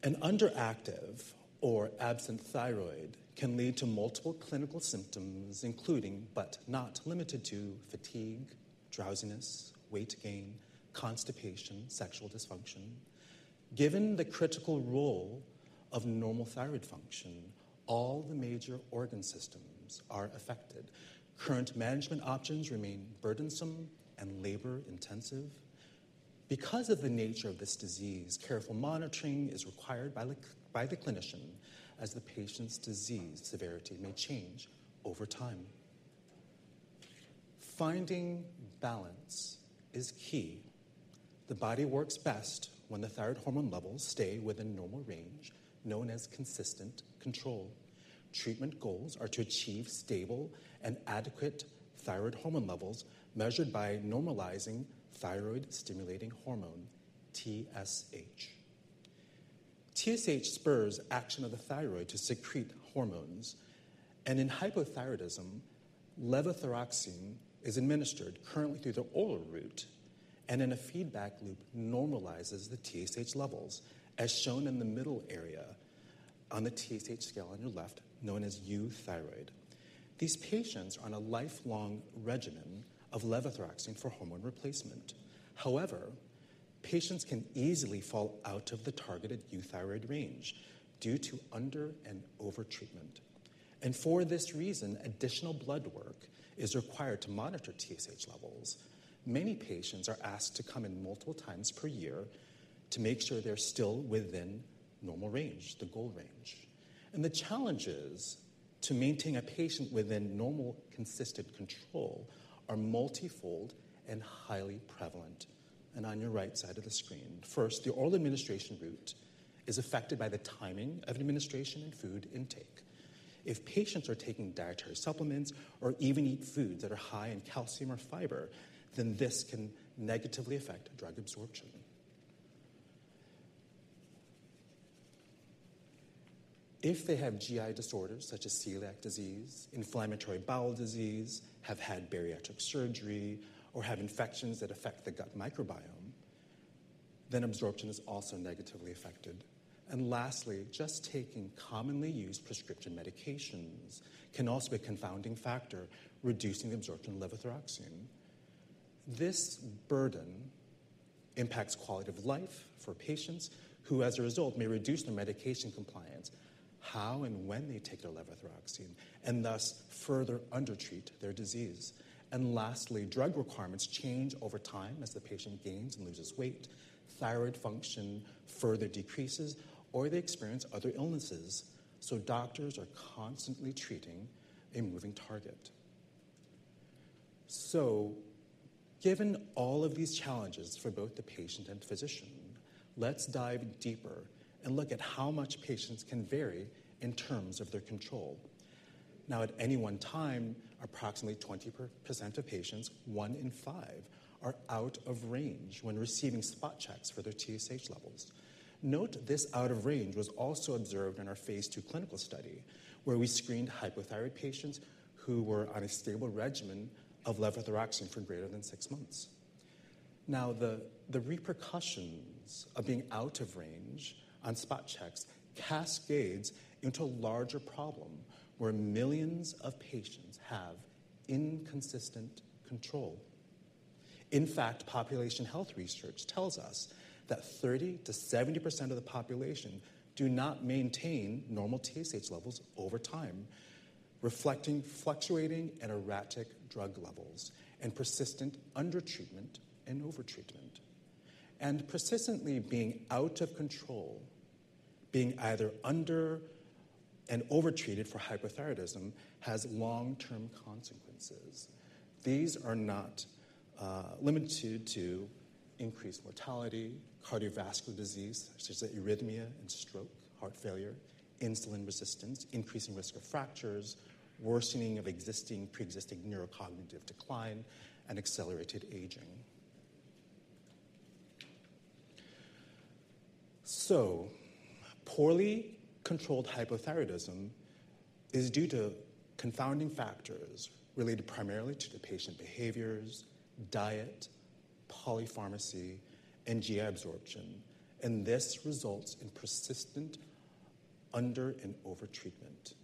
An underactive or absent thyroid can lead to multiple clinical symptoms, including but not limited to fatigue, drowsiness, weight gain, constipation, and sexual dysfunction. Given the critical role of normal thyroid function, all the major organ systems are affected. Current management options remain burdensome and labor-intensive. Because of the nature of this disease, careful monitoring is required by the clinician, as the patient's disease severity may change over time. Finding balance is key. The body works best when the thyroid hormone levels stay within normal range, known as consistent control. Treatment goals are to achieve stable and adequate thyroid hormone levels measured by normalizing thyroid-stimulating hormone, TSH. TSH spurs action of the thyroid to secrete hormones. In hypothyroidism, levothyroxine is administered currently through the oral route, and in a feedback loop, normalizes the TSH levels, as shown in the middle area on the TSH scale on your left, known as euthyroid. These patients are on a lifelong regimen of levothyroxine for hormone replacement. However, patients can easily fall out of the targeted euthyroid range due to under- and over-treatment. For this reason, additional blood work is required to monitor TSH levels. Many patients are asked to come in multiple times per year to make sure they're still within normal range, the goal range. The challenges to maintain a patient within normal consistent control are multifold and highly prevalent. On your right side of the screen, first, the oral administration route is affected by the timing of administration and food intake. If patients are taking dietary supplements or even eat foods that are high in calcium or fiber, this can negatively affect drug absorption. If they have GI disorders such as celiac disease, inflammatory bowel disease, have had bariatric surgery, or have infections that affect the gut microbiome, absorption is also negatively affected. Lastly, just taking commonly used prescription medications can also be a confounding factor, reducing the absorption of levothyroxine. This burden impacts quality of life for patients who, as a result, may reduce their medication compliance, how and when they take their levothyroxine, and thus further undertreat their disease. Lastly, drug requirements change over time as the patient gains and loses weight. Thyroid function further decreases, or they experience other illnesses. Doctors are constantly treating a moving target. Given all of these challenges for both the patient and physician, let's dive deeper and look at how much patients can vary in terms of their control. At any one time, approximately 20% of patients, one in five, are out of range when receiving spot checks for their TSH levels. Note this out of range was also observed in our phase II clinical study, where we screened hypothyroid patients who were on a stable regimen of levothyroxine for greater than six months. The repercussions of being out of range on spot checks cascades into a larger problem where millions of patients have inconsistent control. In fact, population health research tells us that 30%-70% of the population do not maintain normal TSH levels over time, reflecting fluctuating and erratic drug levels and persistent undertreatment and over-treatment. Persistently being out of control, being either under- and over-treated for hypothyroidism, has long-term consequences. These are not limited to increased mortality, cardiovascular disease, such as arrhythmia and stroke, heart failure, insulin resistance, increasing risk of fractures, worsening of existing pre-existing neurocognitive decline, and accelerated aging. Poorly controlled hypothyroidism is due to confounding factors related primarily to the patient behaviors, diet, polypharmacy, and GI absorption. This results in persistent under- and over-treatment.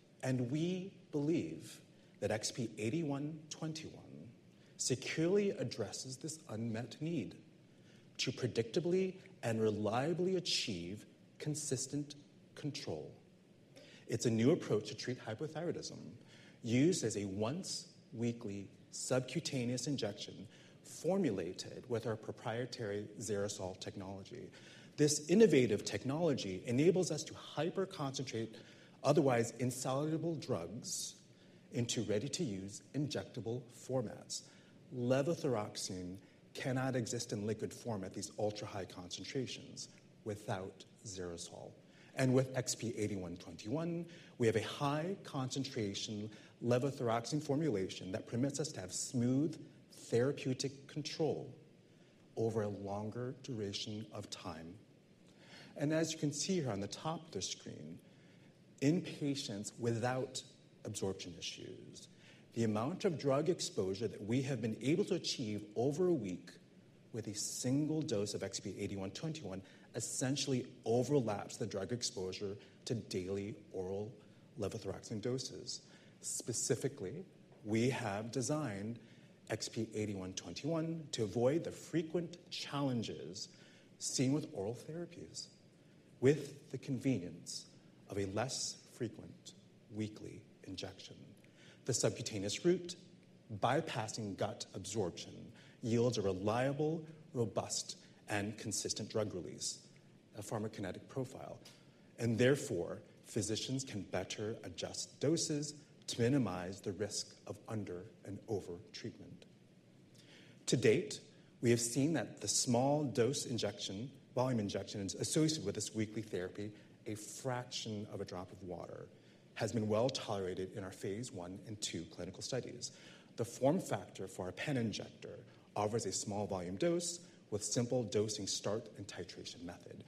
We believe that XP-8121 securely addresses this unmet need to predictably and reliably achieve consistent control. It is a new approach to treat hypothyroidism used as a once-weekly subcutaneous injection formulated with our proprietary XeriSol technology. This innovative technology enables us to hyper-concentrate otherwise insoluble drugs into ready-to-use injectable formats. Levothyroxine cannot exist in liquid form at these ultra-high concentrations without XeriSol. With XP-8121, we have a high-concentration levothyroxine formulation that permits us to have smooth therapeutic control over a longer duration of time. As you can see here on the top of the screen, in patients without absorption issues, the amount of drug exposure that we have been able to achieve over a week with a single dose of XP-8121 essentially overlaps the drug exposure to daily oral levothyroxine doses. Specifically, we have designed XP-8121 to avoid the frequent challenges seen with oral therapies with the convenience of a less frequent weekly injection. The subcutaneous route, bypassing gut absorption, yields a reliable, robust, and consistent drug release, a pharmacokinetic profile. Therefore, physicians can better adjust doses to minimize the risk of under- and over-treatment. To date, we have seen that the small dose injection, volume injections associated with this weekly therapy, a fraction of a drop of water, has been well tolerated in our phase I and II clinical studies. The form factor for our pen injector offers a small volume dose with simple dosing start and titration method.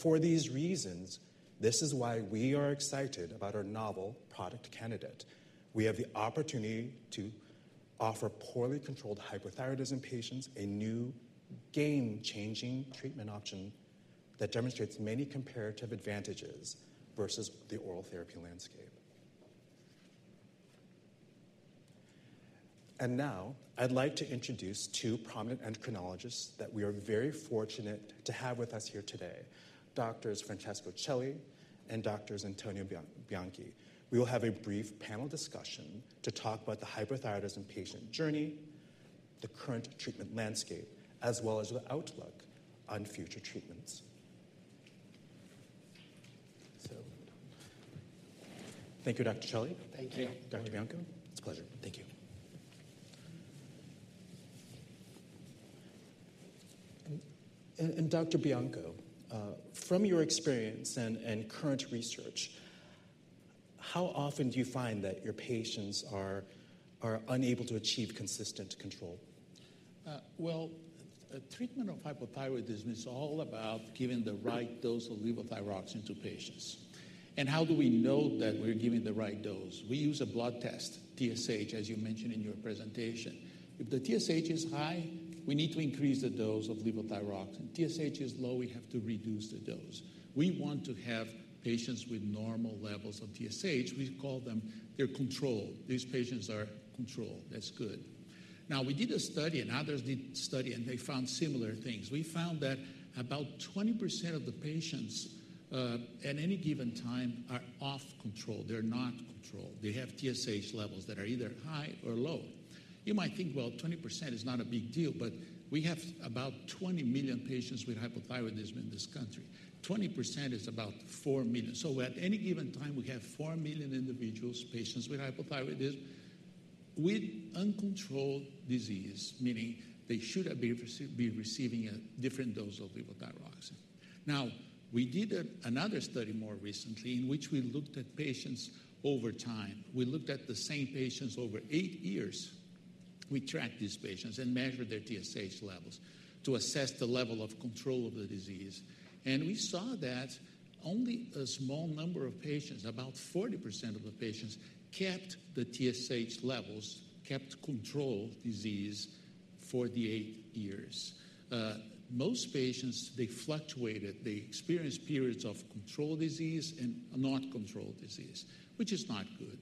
For these reasons, this is why we are excited about our novel product candidate. We have the opportunity to offer poorly controlled hypothyroidism patients a new game-changing treatment option that demonstrates many comparative advantages versus the oral therapy landscape. Now, I'd like to introduce two prominent endocrinologists that we are very fortunate to have with us here today, Doctors Francesco Celi and Antonio Bianco. We will have a brief panel discussion to talk about the hypothyroidism patient journey, the current treatment landscape, as well as the outlook on future treatments. Thank you, Doctor Celi. Thank you. Doctor Bianco.
It's a pleasure. Thank you.
And Doctor Bianco, from your experience and current research, how often do you find that your patients are unable to achieve consistent control? Treatment of hypothyroidism is all about giving the right dose of levothyroxine to patients. How do we know that we're giving the right dose?
We use a blood test, TSH, as you mentioned in your presentation. If the TSH is high, we need to increase the dose of levothyroxine. If TSH is low, we have to reduce the dose. We want to have patients with normal levels of TSH. We call them, they're controlled. These patients are controlled. That's good. We did a study and others did a study, and they found similar things. We found that about 20% of the patients at any given time are off control. They're not controlled. They have TSH levels that are either high or low. You might think, 20% is not a big deal, but we have about 20 million patients with hypothyroidism in this country. 20% is about 4 million. At any given time, we have 4 million individuals, patients with hypothyroidism with uncontrolled disease, meaning they should be receiving a different dose of levothyroxine. We did another study more recently in which we looked at patients over time. We looked at the same patients over eight years. We tracked these patients and measured their TSH levels to assess the level of control of the disease. We saw that only a small number of patients, about 40% of the patients, kept the TSH levels, kept control disease for the eight years. Most patients, they fluctuated. They experienced periods of controlled disease and not controlled disease, which is not good.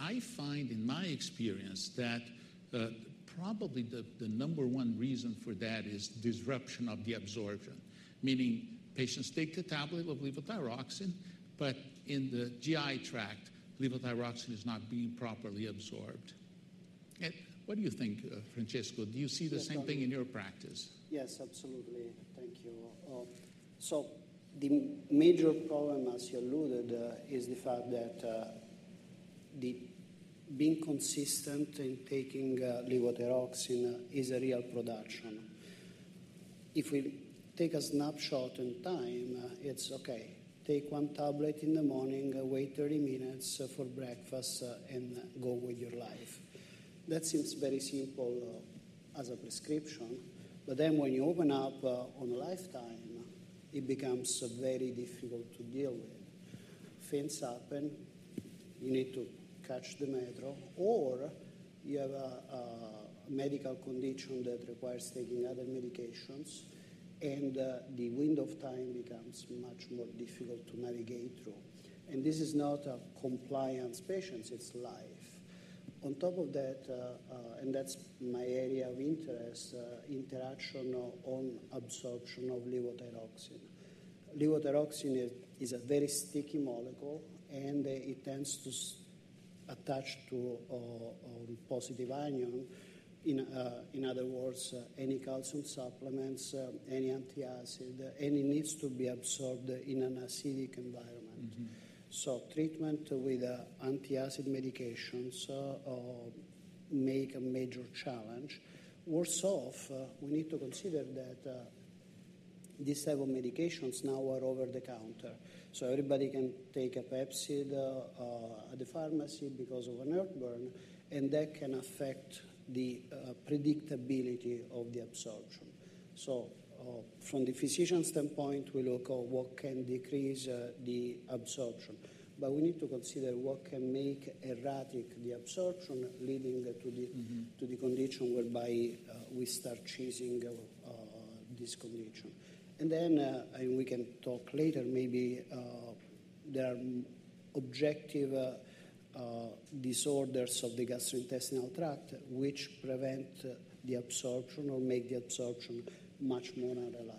I find, in my experience, that probably the number one reason for that is disruption of the absorption, meaning patients take the tablet of levothyroxine, but in the GI tract, levothyroxine is not being properly absorbed.
What do you think, Francesco? Do you see the same thing in your practice?
Yes, absolutely. Thank you. The major problem, as you alluded, is the fact that being consistent in taking levothyroxine is a real production. If we take a snapshot in time, it's okay. Take one tablet in the morning, wait 30 minutes for breakfast, and go with your life. That seems very simple as a prescription. When you open up on a lifetime, it becomes very difficult to deal with. Things happen. You need to catch the metro, or you have a medical condition that requires taking other medications, and the window of time becomes much more difficult to navigate through. This is not a compliance patient. It's life. On top of that, and that's my area of interest, interaction on absorption of levothyroxine. Levothyroxine is a very sticky molecule, and it tends to attach to a positive ion. In other words, any calcium supplements, any antacid, and it needs to be absorbed in an acidic environment. Treatment with antacid medications makes a major challenge. Worse off, we need to consider that these types of medications now are over the counter. Everybody can take a PEPCID at the pharmacy because of an heartburn, and that can affect the predictability of the absorption. From the physician standpoint, we look at what can decrease the absorption. We need to consider what can make erratic the absorption, leading to the condition whereby we start choosing this condition. Then we can talk later, maybe there are objective disorders of the gastrointestinal tract which prevent the absorption or make the absorption much more unreliable.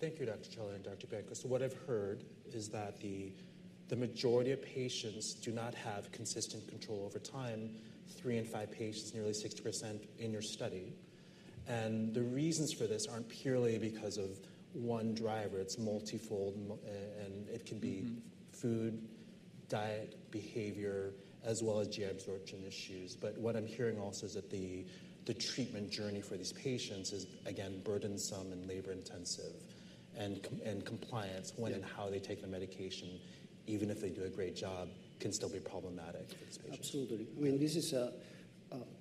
Thank you, Doctor Celi and Doctor Bianco. What I've heard is that the majority of patients do not have consistent control over time, three in five patients, nearly 60% in your study. The reasons for this are not purely because of one driver. It is multifold, and it can be food, diet, behavior, as well as GI absorption issues. What I'm hearing also is that the treatment journey for these patients is, again, burdensome and labor-intensive. Compliance, when and how they take the medication, even if they do a great job, can still be problematic for these patients.
Absolutely. I mean, this is a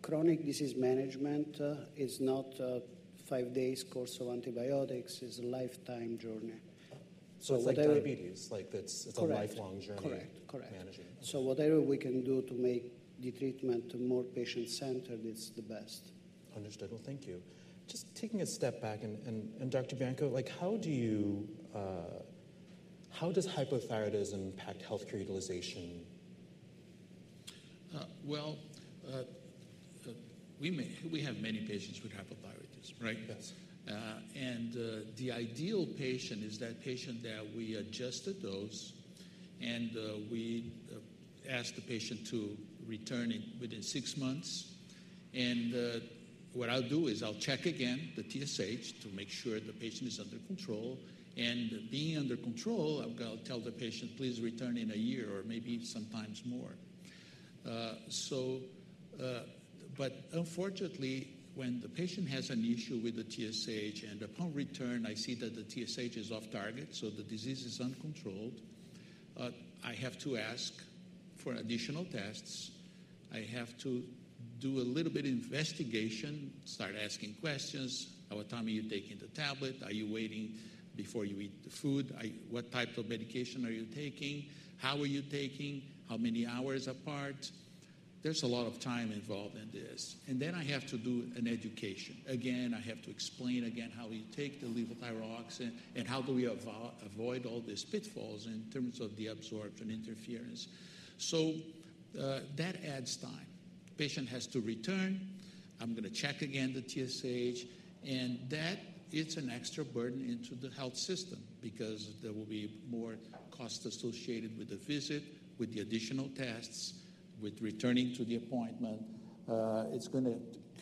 chronic disease management. It's not a five-day course of antibiotics.
It's a lifetime journey. It's like diabetes. It's a lifelong journey managing.
Correct. Correct. Whatever we can do to make the treatment more patient-centered, it's the best.
Understood. Thank you. Just taking a step back, Doctor Bianco, how does hypothyroidism impact healthcare utilization? We have many patients with hypothyroidism, right?
Yes. The ideal patient is that patient that we adjust the dose, and we ask the patient to return within six months. What I'll do is I'll check again the TSH to make sure the patient is under control. Being under control, I'll tell the patient, "Please return in a year or maybe sometimes more." Unfortunately, when the patient has an issue with the TSH, and upon return, I see that the TSH is off target, so the disease is uncontrolled, I have to ask for additional tests. I have to do a little bit of investigation, start asking questions. How much time are you taking the tablet? Are you waiting before you eat the food? What type of medication are you taking? How are you taking? How many hours apart? There is a lot of time involved in this. I have to do an education. Again, I have to explain again how we take the levothyroxine and how do we avoid all these pitfalls in terms of the absorption interference. That adds time. The patient has to return. I'm going to check again the TSH. That is an extra burden into the health system because there will be more cost associated with the visit, with the additional tests, with returning to the appointment. It's going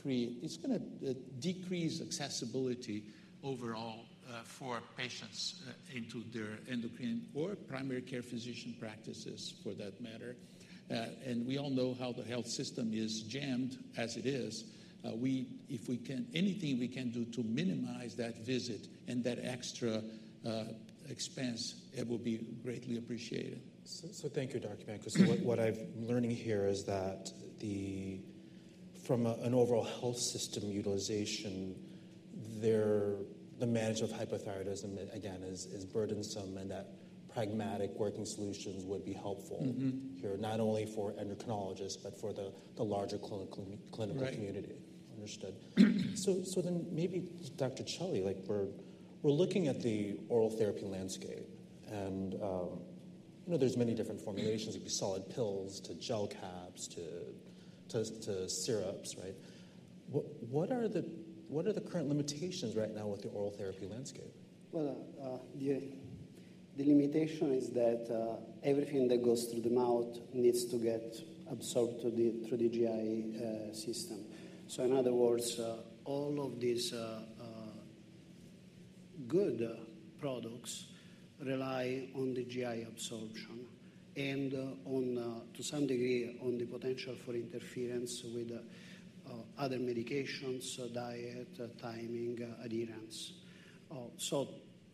to decrease accessibility overall for patients into their endocrine or primary care physician practices for that matter. We all know how the health system is jammed as it is. If we can do anything we can do to minimize that visit and that extra expense, it will be greatly appreciated.
Thank you, Doctor Bianco. What I'm learning here is that from an overall health system utilization, the management of hypothyroidism, again, is burdensome, and that pragmatic working solutions would be helpful here, not only for endocrinologists, but for the larger clinical community. Understood. Maybe, Doctor Celi, we're looking at the oral therapy landscape, and there's many different formulations, from solid pills to gel caps to syrups, right? What are the current limitations right now with the oral therapy landscape?
The limitation is that everything that goes through the mouth needs to get absorbed through the GI system. In other words, all of these good products rely on the GI absorption and, to some degree, on the potential for interference with other medications, diet, timing, adherence.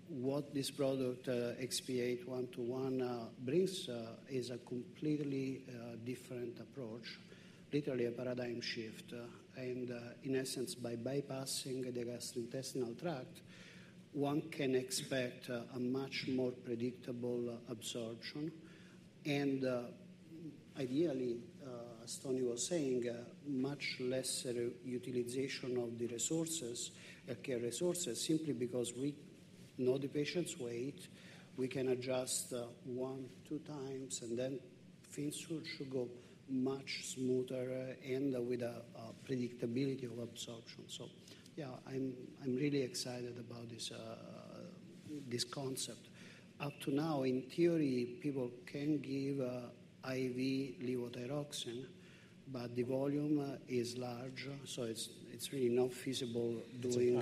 What this product, XP-8121, brings is a completely different approach, literally a paradigm shift. In essence, by bypassing the gastrointestinal tract, one can expect a much more predictable absorption. Ideally, as Tony was saying, much lesser utilization of the resources, healthcare resources, simply because we know the patient's weight. We can adjust one, 2x, and then things should go much smoother and with a predictability of absorption. Yeah, I'm really excited about this concept. Up to now, in theory, people can give IV levothyroxine, but the volume is large, so it's really not feasible doing.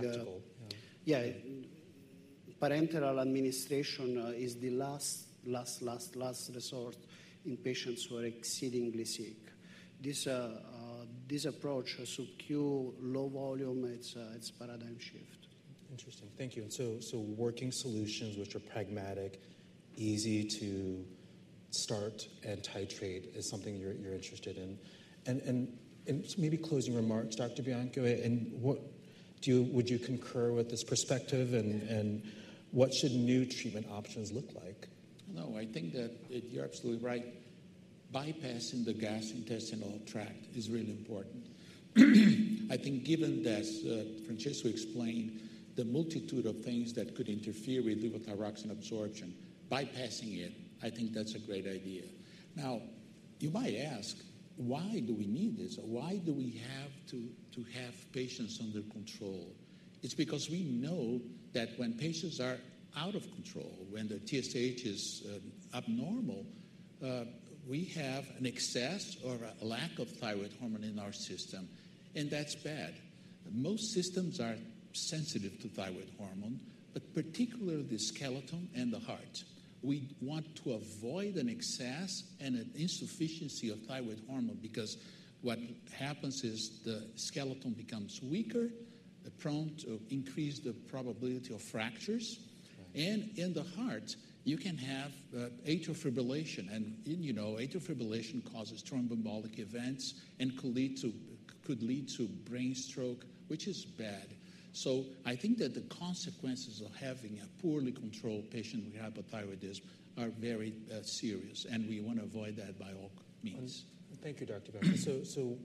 Parenteral administration is the last, last, last resort in patients who are exceedingly sick. This approach, subcu low volume, it's paradigm shift. Interesting.
Thank you. Working solutions which are pragmatic, easy to start and titrate is something you're interested in. Maybe closing remarks, Doctor Bianco, would you concur with this perspective, and what should new treatment options look like?
No, I think that you're absolutely right. Bypassing the gastrointestinal tract is really important. I think given that Francesco explained the multitude of things that could interfere with levothyroxine absorption, bypassing it, I think that's a great idea. Now, you might ask, why do we need this? Why do we have to have patients under control? It is because we know that when patients are out of control, when the TSH is abnormal, we have an excess or a lack of thyroid hormone in our system, and that is bad. Most systems are sensitive to thyroid hormone, but particularly the skeleton and the heart. We want to avoid an excess and an insufficiency of thyroid hormone because what happens is the skeleton becomes weaker, prone to increase the probability of fractures. In the heart, you can have atrial fibrillation, and atrial fibrillation causes thromboembolic events and could lead to brain stroke, which is bad. I think that the consequences of having a poorly controlled patient with hypothyroidism are very serious, and we want to avoid that by all means.
Thank you, Doctor Bianco.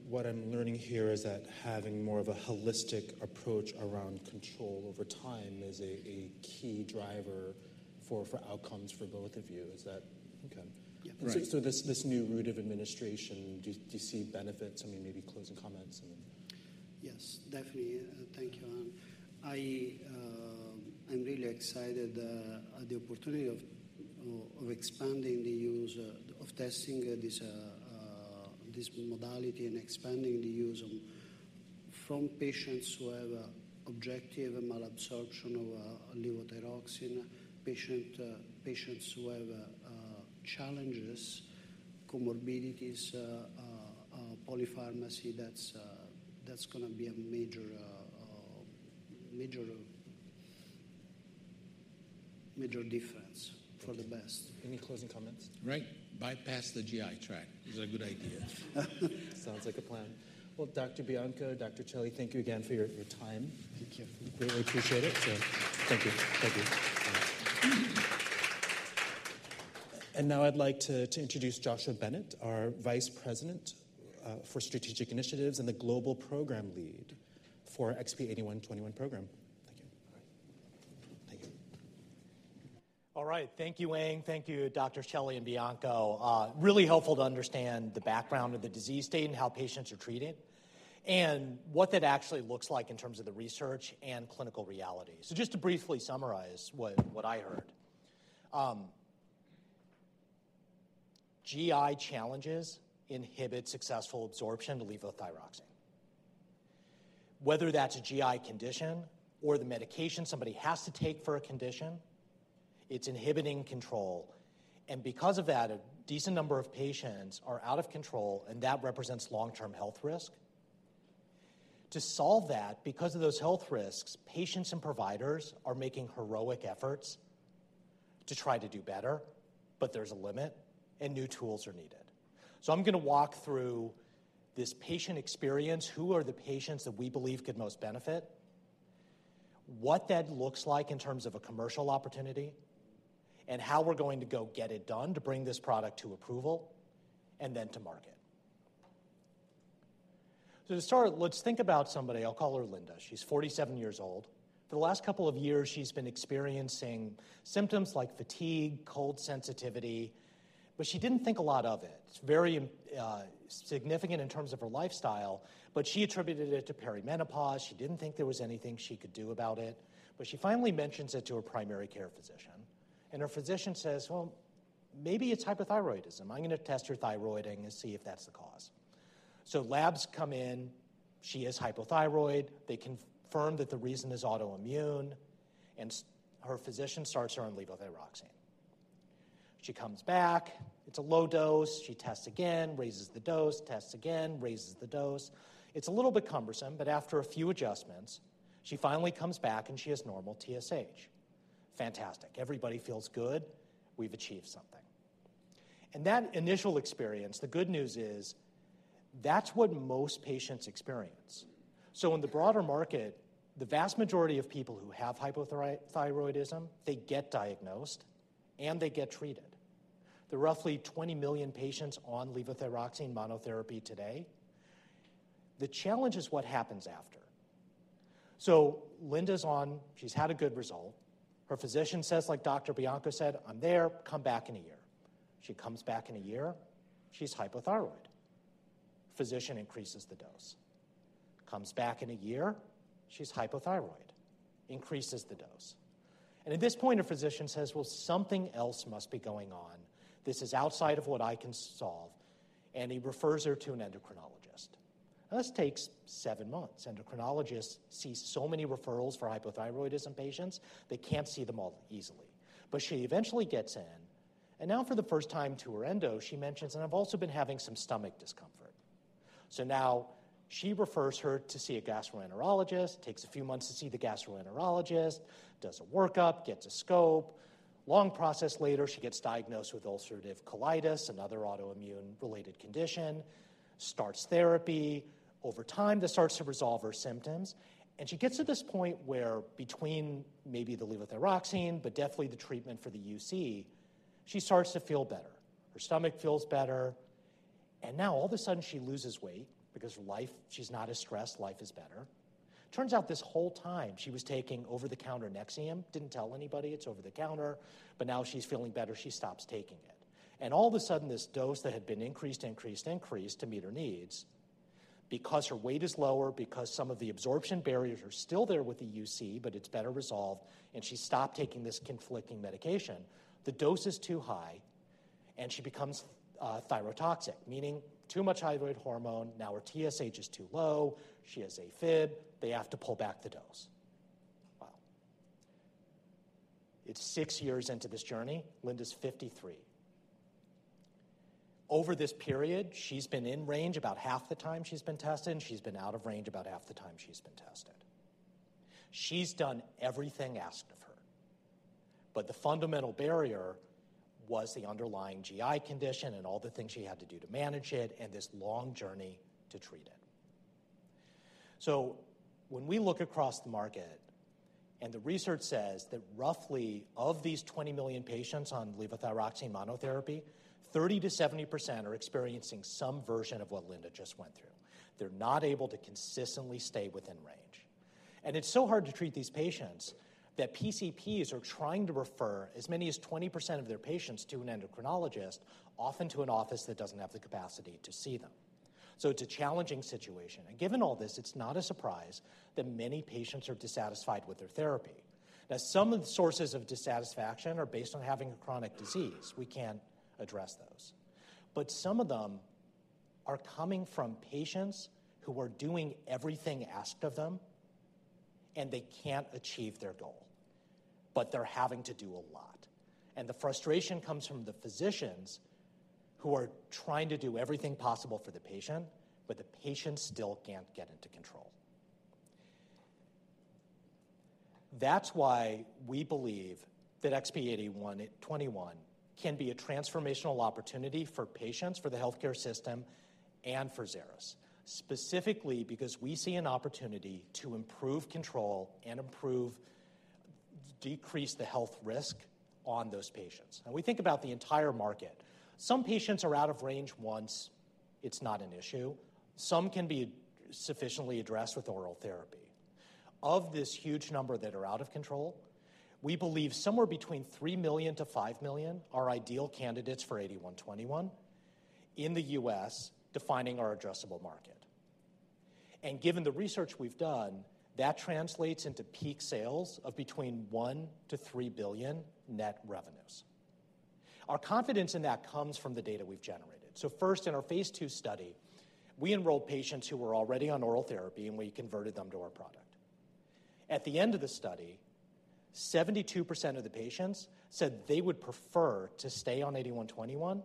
What I am learning here is that having more of a holistic approach around control over time is a key driver for outcomes for both of you. Is that okay? Yeah. This new route of administration, do you see benefits? I mean, maybe closing comments.
Yes, definitely. Thank you. I am really excited at the opportunity of expanding the use of testing this modality and expanding the use from patients who have objective malabsorption of levothyroxine, patients who have challenges, comorbidities, polypharmacy, that is going to be a major difference for the best.
Any closing comments? Right. Bypass the GI tract is a good idea. Sounds like a plan. Doctor Bianco, Doctor Celi, thank you again for your time. Thank you. We greatly appreciate it. Thank you. Thank you. Now I'd like to introduce Joshua Bennett, our Vice President for Strategic Initiatives and the Global Program Lead for the XP-8121 Program.
Thank you. All right. Thank you, Eng. Thank you, Doctor Celi and Bianco. Really helpful to understand the background of the disease state and how patients are treated and what that actually looks like in terms of the research and clinical reality. Just to briefly summarize what I heard, GI challenges inhibit successful absorption of levothyroxine. Whether that's a GI condition or the medication somebody has to take for a condition, it's inhibiting control. Because of that, a decent number of patients are out of control, and that represents long-term health risk. To solve that, because of those health risks, patients and providers are making heroic efforts to try to do better, but there's a limit and new tools are needed. I'm going to walk through this patient experience, who are the patients that we believe could most benefit, what that looks like in terms of a commercial opportunity, and how we're going to go get it done to bring this product to approval and then to market. To start, let's think about somebody. I'll call her Linda. She's 47 years old. For the last couple of years, she's been experiencing symptoms like fatigue, cold sensitivity, but she didn't think a lot of it. It's very significant in terms of her lifestyle, but she attributed it to perimenopause. She didn't think there was anything she could do about it. She finally mentions it to her primary care physician. Her physician says, "Maybe it's hypothyroidism. I'm going to test your thyroid and see if that's the cause." Labs come in. She is hypothyroid. They confirm that the reason is autoimmune. And her physician starts her on levothyroxine. She comes back. It's a low dose. She tests again, raises the dose, tests again, raises the dose. It's a little bit cumbersome, but after a few adjustments, she finally comes back and she has normal TSH. Fantastic. Everybody feels good. We've achieved something. And that initial experience, the good news is that's what most patients experience. In the broader market, the vast majority of people who have hypothyroidism, they get diagnosed and they get treated. There are roughly 20 million patients on levothyroxine monotherapy today. The challenge is what happens after. Linda's on. She's had a good result. Her physician says, like Doctor Bianco said, "I'm there. Come back in a year." She comes back in a year. She's hypothyroid. Physician increases the dose. Comes back in a year. She's hypothyroid. Increases the dose. At this point, her physician says, "Something else must be going on. This is outside of what I can solve." He refers her to an endocrinologist. This takes seven months. Endocrinologists see so many referrals for hypothyroidism patients, they cannot see them all easily. She eventually gets in. For the first time to her endo, she mentions, "I've also been having some stomach discomfort." She refers her to see a gastroenterologist, takes a few months to see the gastroenterologist, does a workup, gets a scope. Long process later, she gets diagnosed with ulcerative colitis, another autoimmune-related condition, starts therapy. Over time, this starts to resolve her symptoms. She gets to this point where between maybe the levothyroxine, but definitely the treatment for the UC, she starts to feel better. Her stomach feels better. Now all of a sudden, she loses weight because she's not as stressed. Life is better. Turns out this whole time, she was taking over-the-counter NEXIUM. Didn't tell anybody it's over-the-counter, but now she's feeling better. She stops taking it. All of a sudden, this dose that had been increased, increased, increased to meet her needs because her weight is lower, because some of the absorption barriers are still there with the UC, but it's better resolved, and she stopped taking this conflicting medication. The dose is too high, and she becomes thyrotoxic, meaning too much thyroid hormone. Now her TSH is too low. She has AFib. They have to pull back the dose. Wow. It's six years into this journey. Linda's 53. Over this period, she's been in range about half the time she's been tested. She's been out of range about half the time she's been tested. She's done everything asked of her. The fundamental barrier was the underlying GI condition and all the things she had to do to manage it and this long journey to treat it. When we look across the market, and the research says that roughly of these 20 million patients on levothyroxine monotherapy, 30%-70% are experiencing some version of what Linda just went through. They're not able to consistently stay within range. It's so hard to treat these patients that PCPs are trying to refer as many as 20% of their patients to an endocrinologist, often to an office that doesn't have the capacity to see them. It's a challenging situation. Given all this, it's not a surprise that many patients are dissatisfied with their therapy. Now, some of the sources of dissatisfaction are based on having a chronic disease. We can't address those. Some of them are coming from patients who are doing everything asked of them, and they can't achieve their goal, but they're having to do a lot. The frustration comes from the physicians who are trying to do everything possible for the patient, but the patient still can't get into control. That is why we believe that XP-8121 can be a transformational opportunity for patients, for the healthcare system, and for Xeris, specifically because we see an opportunity to improve control and decrease the health risk on those patients. We think about the entire market. Some patients are out of range once. It's not an issue. Some can be sufficiently addressed with oral therapy. Of this huge number that are out of control, we believe somewhere between 3 million-5 million are ideal candidates for 8121 in the US, defining our addressable market. Given the research we have done, that translates into peak sales of between $1 billion-$3 billion net revenues. Our confidence in that comes from the data we have generated. First, in our phase II study, we enrolled patients who were already on oral therapy, and we converted them to our product. At the end of the study, 72% of the patients said they would prefer to stay on 8121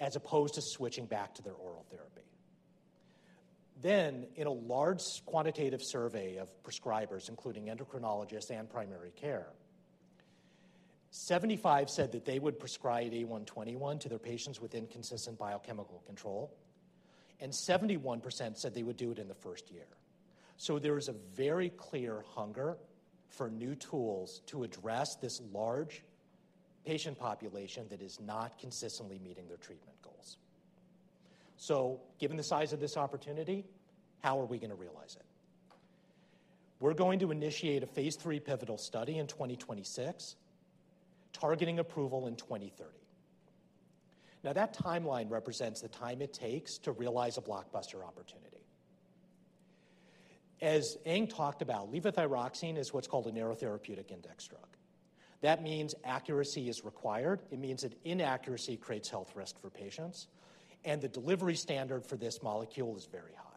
as opposed to switching back to their oral therapy. In a large quantitative survey of prescribers, including endocrinologists and primary care, 75% said that they would prescribe 8121 to their patients with inconsistent biochemical control, and 71% said they would do it in the first year. There is a very clear hunger for new tools to address this large patient population that is not consistently meeting their treatment goals. Given the size of this opportunity, how are we going to realize it? We're going to initiate a phase III pivotal study in 2026, targeting approval in 2030. That timeline represents the time it takes to realize a blockbuster opportunity. As Anh talked about, levothyroxine is what's called a narrow therapeutic index drug. That means accuracy is required. It means that inaccuracy creates health risk for patients, and the delivery standard for this molecule is very high.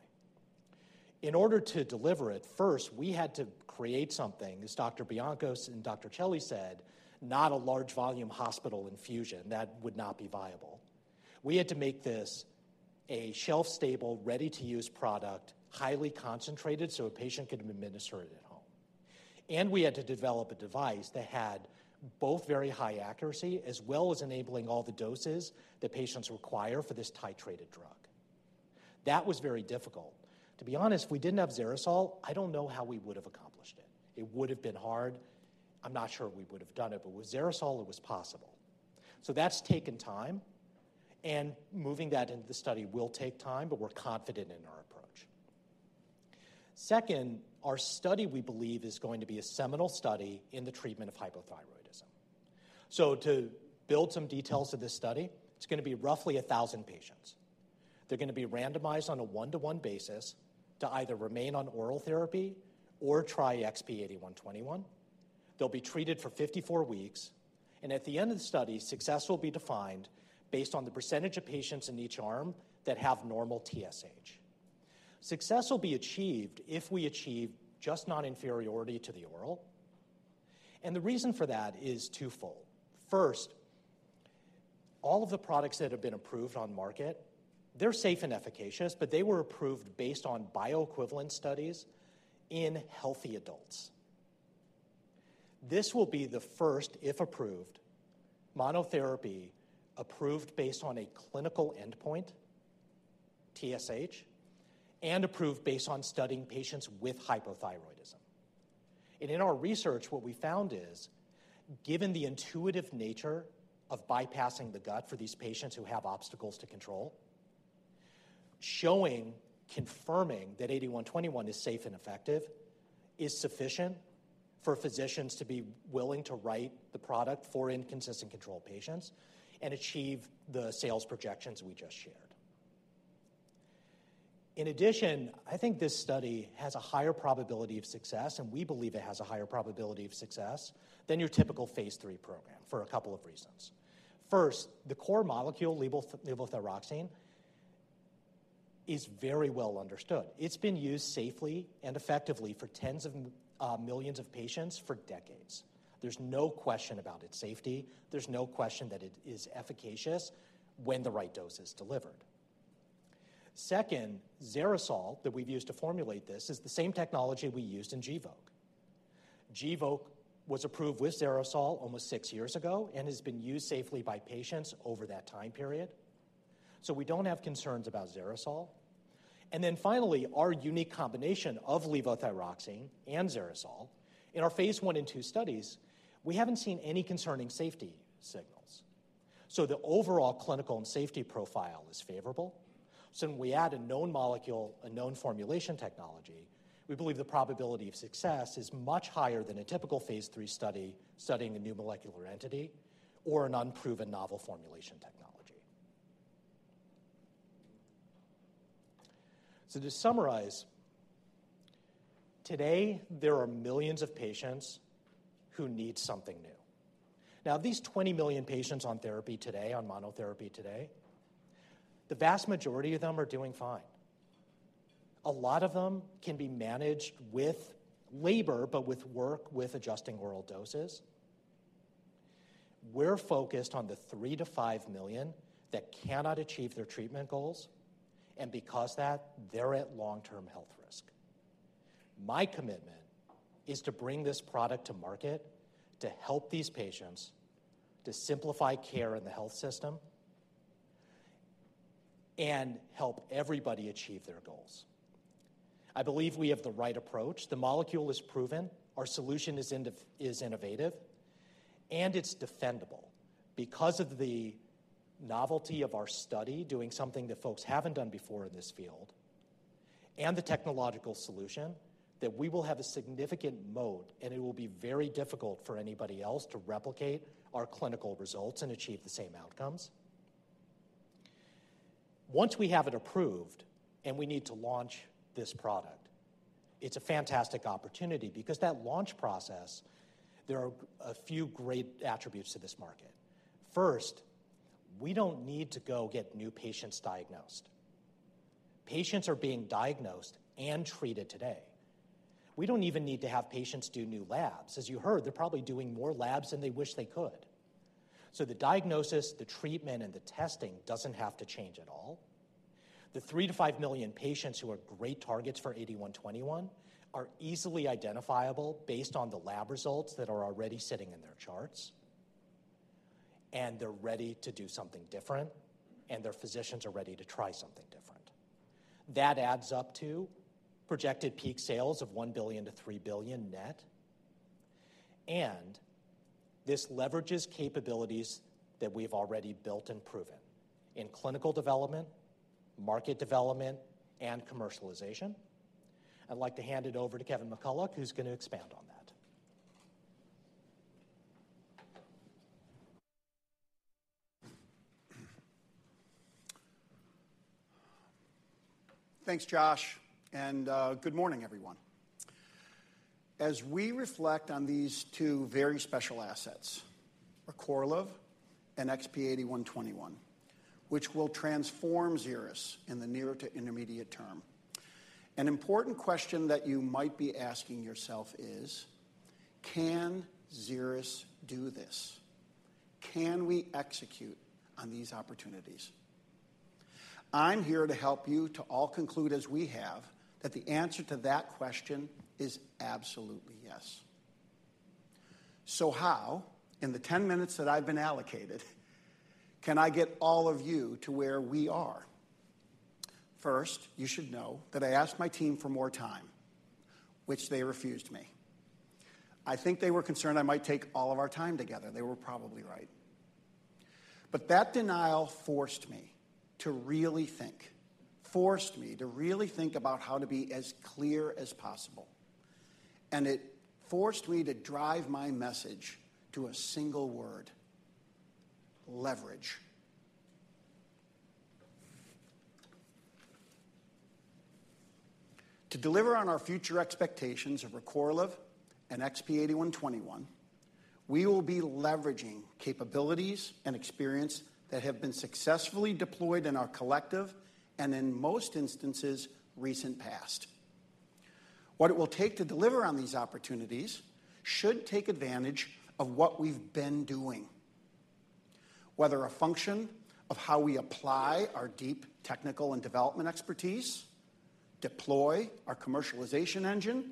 In order to deliver it, first, we had to create something, as Doctor Bianco and Doctor Celi said, not a large volume hospital infusion. That would not be viable. We had to make this a shelf-stable, ready-to-use product, highly concentrated so a patient could administer it at home. We had to develop a device that had both very high accuracy as well as enabling all the doses that patients require for this titrated drug. That was very difficult. To be honest, if we did not have XeriSol, I do not know how we would have accomplished it. It would have been hard. I am not sure we would have done it, but with XeriSol, it was possible. That has taken time, and moving that into the study will take time, but we are confident in our approach. Second, our study, we believe, is going to be a seminal study in the treatment of hypothyroidism. To build some details of this study, it is going to be roughly 1,000 patients. They are going to be randomized on a one-to-one basis to either remain on oral therapy or try XP-8121. They will be treated for 54 weeks. At the end of the study, success will be defined based on the percentage of patients in each arm that have normal TSH. Success will be achieved if we achieve just non-inferiority to the oral. The reason for that is twofold. First, all of the products that have been approved on market, they're safe and efficacious, but they were approved based on bioequivalence studies in healthy adults. This will be the first, if approved, monotherapy approved based on a clinical endpoint, TSH, and approved based on studying patients with hypothyroidism. In our research, what we found is, given the intuitive nature of bypassing the gut for these patients who have obstacles to control, showing, confirming that 8121 is safe and effective is sufficient for physicians to be willing to write the product for inconsistent control patients and achieve the sales projections we just shared. In addition, I think this study has a higher probability of success, and we believe it has a higher probability of success than your typical phase III program for a couple of reasons. First, the core molecule, levothyroxine, is very well understood. It's been used safely and effectively for tens of millions of patients for decades. There's no question about its safety. There's no question that it is efficacious when the right dose is delivered. Second, XeriSol that we've used to formulate this is the same technology we used in Gvoke. Gvoke was approved with XeriSol almost six years ago and has been used safely by patients over that time period. We don't have concerns about XeriSol. Finally, our unique combination of levothyroxine and XeriSol, in our phase I and II studies, we haven't seen any concerning safety signals. The overall clinical and safety profile is favorable. When we add a known molecule, a known formulation technology, we believe the probability of success is much higher than a typical phase III study studying a new molecular entity or an unproven novel formulation technology. To summarize, today, there are millions of patients who need something new. Of these 20 million patients on therapy today, on monotherapy today, the vast majority of them are doing fine. A lot of them can be managed with labor, but with work with adjusting oral doses. We're focused on the 3 million-5 million that cannot achieve their treatment goals. Because of that, they're at long-term health risk. My commitment is to bring this product to market to help these patients, to simplify care in the health system, and help everybody achieve their goals. I believe we have the right approach. The molecule is proven. Our solution is innovative, and it's defendable because of the novelty of our study doing something that folks haven't done before in this field and the technological solution that we will have a significant moat, and it will be very difficult for anybody else to replicate our clinical results and achieve the same outcomes. Once we have it approved and we need to launch this product, it's a fantastic opportunity because that launch process, there are a few great attributes to this market. First, we don't need to go get new patients diagnosed. Patients are being diagnosed and treated today. We don't even need to have patients do new labs. As you heard, they're probably doing more labs than they wish they could. The diagnosis, the treatment, and the testing doesn't have to change at all. The three to five million patients who are great targets for 8121 are easily identifiable based on the lab results that are already sitting in their charts, and they're ready to do something different, and their physicians are ready to try something different. That adds up to projected peak sales of $1 billion-$3 billion net. And this leverages capabilities that we've already built and proven in clinical development, market development, and commercialization. I'd like to hand it over to Kevin McCulloch, who's going to expand on that.
Thanks, Josh. Good morning, everyone. As we reflect on these two very special assets, Recorlev and XP-8121, which will transform Xeris in the near to intermediate term, an important question that you might be asking yourself is, can Xeris do this? Can we execute on these opportunities? I'm here to help you to all conclude as we have that the answer to that question is absolutely yes. How, in the 10 minutes that I've been allocated, can I get all of you to where we are? First, you should know that I asked my team for more time, which they refused me. I think they were concerned I might take all of our time together. They were probably right. That denial forced me to really think, forced me to really think about how to be as clear as possible. It forced me to drive my message to a single word: leverage. To deliver on our future expectations of Recorlev and XP-8121, we will be leveraging capabilities and experience that have been successfully deployed in our collective and, in most instances, recent past. What it will take to deliver on these opportunities should take advantage of what we've been doing, whether a function of how we apply our deep technical and development expertise, deploy our commercialization engine,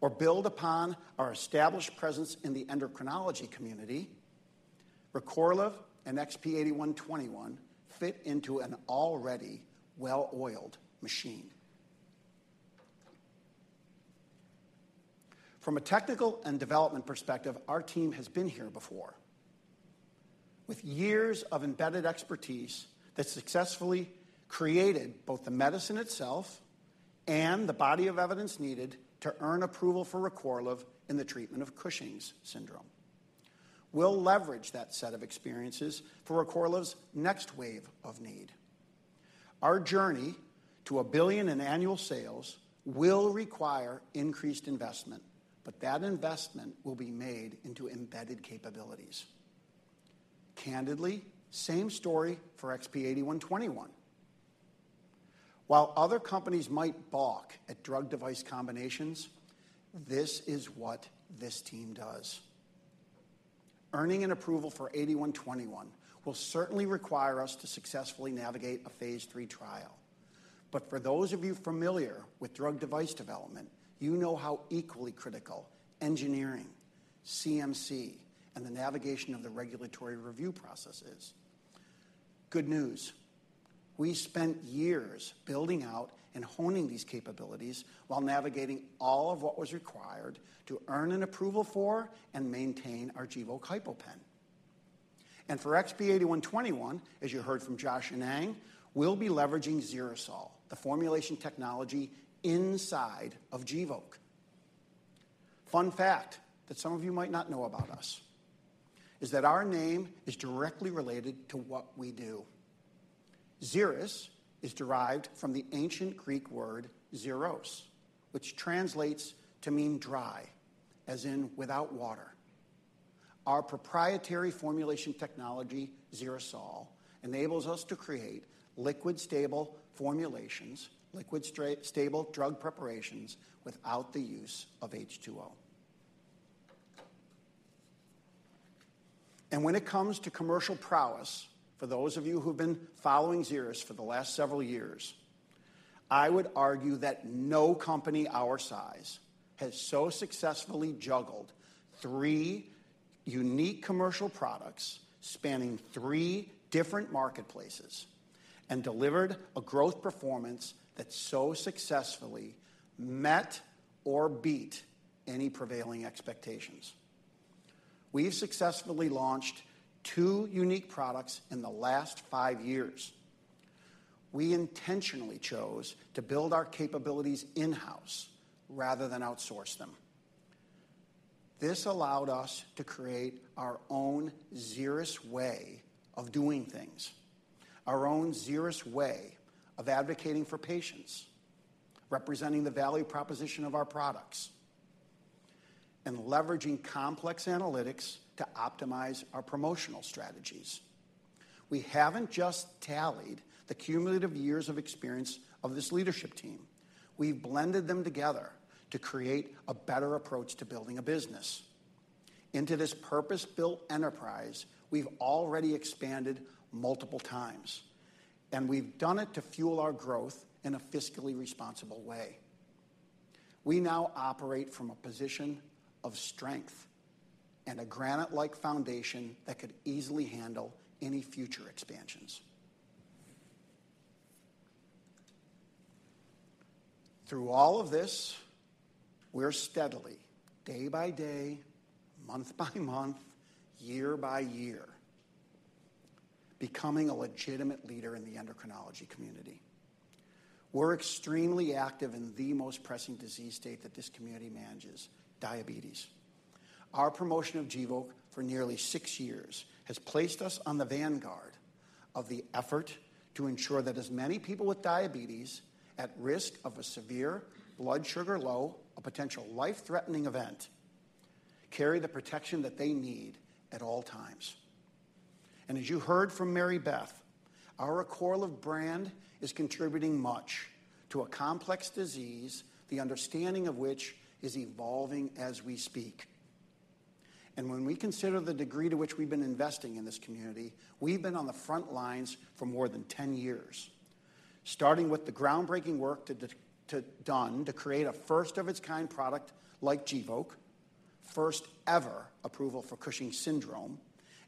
or build upon our established presence in the endocrinology community. Recorlev and XP-8121 fit into an already well-oiled machine. From a technical and development perspective, our team has been here before, with years of embedded expertise that successfully created both the medicine itself and the body of evidence needed to earn approval for Recorlev in the treatment of Cushing's syndrome. We'll leverage that set of experiences for Recorlev's next wave of need. Our journey to a billion in annual sales will require increased investment, but that investment will be made into embedded capabilities. Candidly, same story for XP-8121. While other companies might balk at drug device combinations, this is what this team does. Earning an approval for 8121 will certainly require us to successfully navigate a phase III trial. For those of you familiar with drug device development, you know how equally critical engineering, CMC, and the navigation of the regulatory review process is. Good news. We spent years building out and honing these capabilities while navigating all of what was required to earn an approval for and maintain our Gvoke HypoPen. For XP-8121, as you heard from Josh and Anh, we'll be leveraging XeriSol, the formulation technology inside of Gvoke. Fun fact that some of you might not know about us is that our name is directly related to what we do. Xeris is derived from the ancient Greek word xeros, which translates to mean dry, as in without water. Our proprietary formulation technology, XeriSol, enables us to create liquid-stable formulations, liquid-stable drug preparations without the use of H2O. When it comes to commercial prowess, for those of you who've been following Xeris for the last several years, I would argue that no company our size has so successfully juggled three unique commercial products spanning three different marketplaces and delivered a growth performance that so successfully met or beat any prevailing expectations. We've successfully launched two unique products in the last five years. We intentionally chose to build our capabilities in-house rather than outsource them. This allowed us to create our own Xeris way of doing things, our own Xeris way of advocating for patients, representing the value proposition of our products, and leveraging complex analytics to optimize our promotional strategies. We haven't just tallied the cumulative years of experience of this leadership team. We've blended them together to create a better approach to building a business. Into this purpose-built enterprise, we've already expanded multiple times, and we've done it to fuel our growth in a fiscally responsible way. We now operate from a position of strength and a granite-like foundation that could easily handle any future expansions. Through all of this, we're steadily, day by day, month by month, year by year, becoming a legitimate leader in the endocrinology community. We're extremely active in the most pressing disease state that this community manages, diabetes. Our promotion of Gvoke for nearly six years has placed us on the vanguard of the effort to ensure that as many people with diabetes at risk of a severe blood sugar low, a potential life-threatening event, carry the protection that they need at all times. As you heard from Mary Beth, our Recorlev brand is contributing much to a complex disease, the understanding of which is evolving as we speak. When we consider the degree to which we've been investing in this community, we've been on the front lines for more than 10 years, starting with the groundbreaking work done to create a first-of-its-kind product like Gvoke, first-ever approval for Cushing's syndrome.